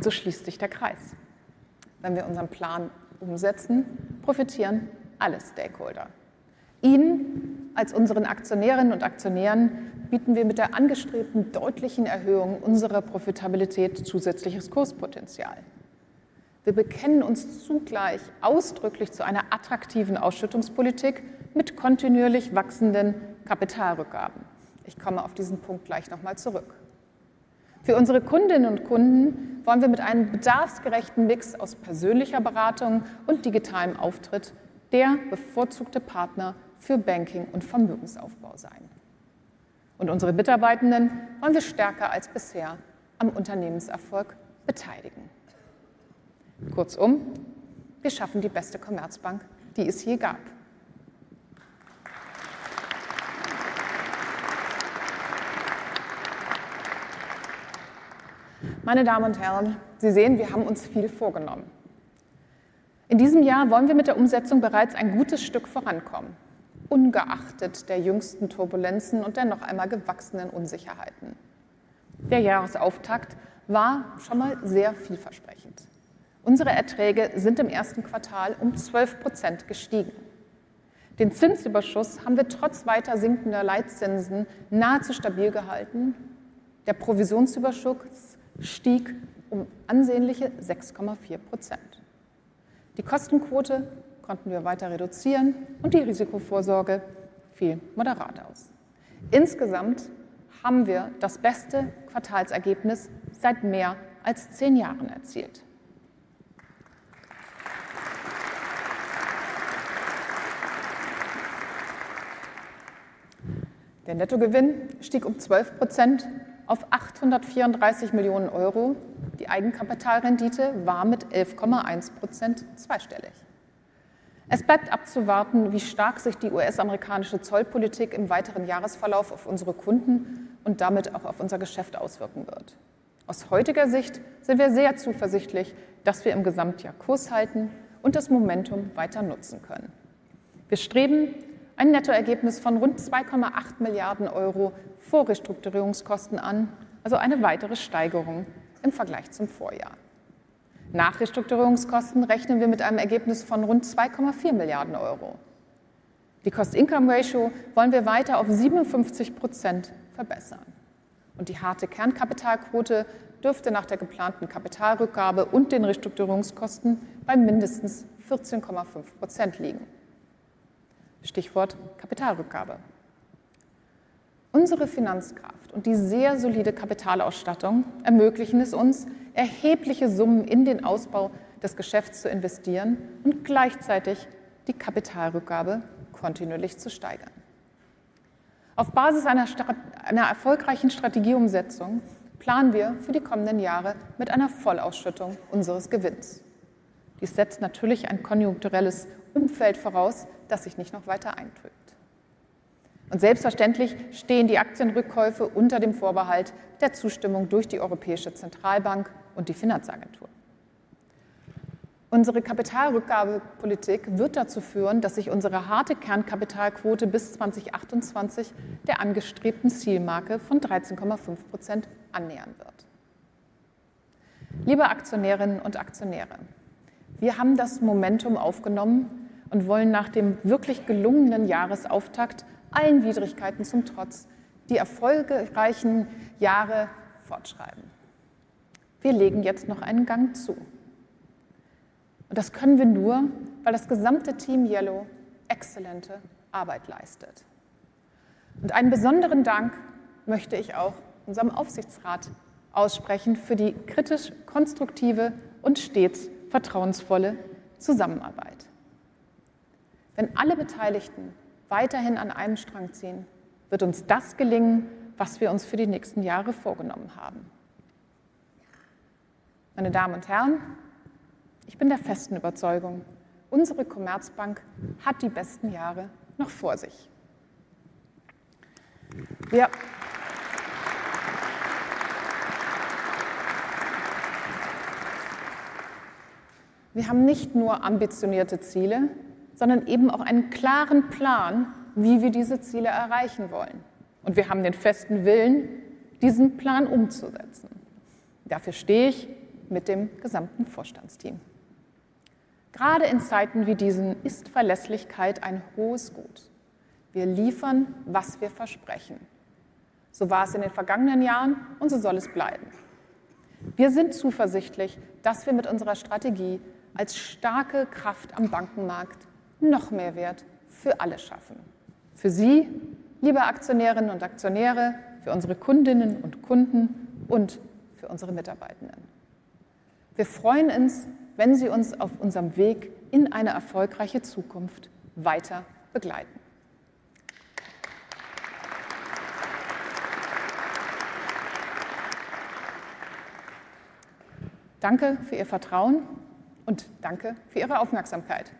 So schließt sich der Kreis. Wenn wir unseren Plan umsetzen, profitieren alle Stakeholder. Ihnen, als unseren Aktionärinnen und Aktionären, bieten wir mit der angestrebten deutlichen Erhöhung unserer Profitabilität zusätzliches Kurspotenzial. Wir bekennen uns zugleich ausdrücklich zu einer attraktiven Ausschüttungspolitik mit kontinuierlich wachsenden Kapitalrückgaben. Ich komme auf diesen Punkt gleich noch mal zurück. Für unsere Kundinnen und Kunden wollen wir mit einem bedarfsgerechten Mix aus persönlicher Beratung und digitalem Auftritt der bevorzugte Partner für Banking und Vermögensaufbau sein. Und unsere Mitarbeitenden wollen wir stärker als bisher am Unternehmenserfolg beteiligen. Kurzum: Wir schaffen die beste Commerzbank, die es je gab. Meine Damen und Herren, Sie sehen, wir haben uns viel vorgenommen. In diesem Jahr wollen wir mit der Umsetzung bereits ein gutes Stück vorankommen, ungeachtet der jüngsten Turbulenzen und der noch einmal gewachsenen Unsicherheiten. Der Jahresauftakt war schon mal sehr vielversprechend. Unsere Erträge sind im ersten Quartal 12% gestiegen. Den Zinsüberschuss haben wir trotz weiter sinkender Leitzinsen nahezu stabil gehalten. Der Provisionsüberschuss stieg ansehnliche 6,4%. Die Kostenquote konnten wir weiter reduzieren und die Risikovorsorge fiel moderat aus. Insgesamt haben wir das beste Quartalsergebnis seit mehr als zehn Jahren erzielt. Der Nettogewinn stieg 12% auf €834 Millionen. Die Eigenkapitalrendite war mit 11,1% zweistellig. Es bleibt abzuwarten, wie stark sich die US-amerikanische Zollpolitik im weiteren Jahresverlauf auf unsere Kunden und damit auch auf unser Geschäft auswirken wird. Aus heutiger Sicht sind wir sehr zuversichtlich, dass wir im Gesamtjahr Kurs halten und das Momentum weiter nutzen können. Wir streben ein Nettoergebnis von rund €2,8 Milliarden vor Restrukturierungskosten an, also eine weitere Steigerung im Vergleich zum Vorjahr. Nach Restrukturierungskosten rechnen wir mit einem Ergebnis von rund €2,4 Milliarden. Die Cost-Income-Ratio wollen wir weiter auf 57% verbessern. Und die harte Kernkapitalquote dürfte nach der geplanten Kapitalrückgabe und den Restrukturierungskosten bei mindestens 14,5% liegen. Stichwort Kapitalrückgabe. Unsere Finanzkraft und die sehr solide Kapitalausstattung ermöglichen es uns, erhebliche Summen in den Ausbau des Geschäfts zu investieren und gleichzeitig die Kapitalrückgabe kontinuierlich zu steigern. Auf Basis einer erfolgreichen Strategieumsetzung planen wir für die kommenden Jahre mit einer Vollausschüttung unseres Gewinns. Dies setzt natürlich ein konjunkturelles Umfeld voraus, das sich nicht noch weiter eintrübt. Selbstverständlich stehen die Aktienrückkäufe unter dem Vorbehalt der Zustimmung durch die Europäische Zentralbank und die Finanzagentur. Unsere Kapitalrückgabepolitik wird dazu führen, dass sich unsere harte Kernkapitalquote bis 2028 der angestrebten Zielmarke von 13,5% annähern wird. Liebe Aktionärinnen und Aktionäre, wir haben das Momentum aufgenommen und wollen nach dem wirklich gelungenen Jahresauftakt allen Widrigkeiten zum Trotz die erfolgreichen Jahre fortschreiben. Wir legen jetzt noch einen Gang zu. Das können wir nur, weil das gesamte Team Yellow exzellente Arbeit leistet. Einen besonderen Dank möchte ich auch unserem Aufsichtsrat aussprechen für die kritisch-konstruktive und stets vertrauensvolle Zusammenarbeit. Wenn alle Beteiligten weiterhin an einem Strang ziehen, wird uns das gelingen, was wir uns für die nächsten Jahre vorgenommen haben. Meine Damen und Herren, ich bin der festen Überzeugung: Unsere Commerzbank hat die besten Jahre noch vor sich. Wir haben nicht nur ambitionierte Ziele, sondern eben auch einen klaren Plan, wie wir diese Ziele erreichen wollen. Wir haben den festen Willen, diesen Plan umzusetzen. Dafür stehe ich mit dem gesamten Vorstandsteam. Gerade in Zeiten wie diesen ist Verlässlichkeit ein hohes Gut. Wir liefern, was wir versprechen. So war es in den vergangenen Jahren und so soll es bleiben. Wir sind zuversichtlich, dass wir mit unserer Strategie als starke Kraft am Bankenmarkt noch mehr Wert für alle schaffen. Für Sie, liebe Aktionärinnen und Aktionäre, für unsere Kundinnen und Kunden und für unsere Mitarbeitenden. Wir freuen uns, wenn Sie uns auf unserem Weg in eine erfolgreiche Zukunft weiter begleiten. Danke für Ihr Vertrauen und danke für Ihre Aufmerksamkeit.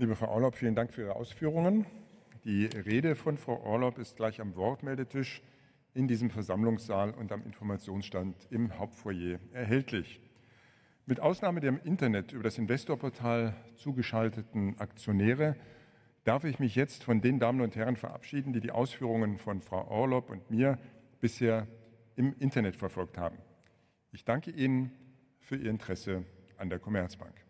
Liebe Frau Orlop, vielen Dank für Ihre Ausführungen. Die Rede von Frau Orlop ist gleich am Wortmeldetisch in diesem Versammlungssaal und am Informationsstand im Hauptfoyer erhältlich. Mit Ausnahme der im Internet über das Investorportal zugeschalteten Aktionäre darf ich mich jetzt von den Damen und Herren verabschieden, die die Ausführungen von Frau Orlop und mir bisher im Internet verfolgt haben. Ich danke Ihnen für Ihr Interesse an der Commerzbank.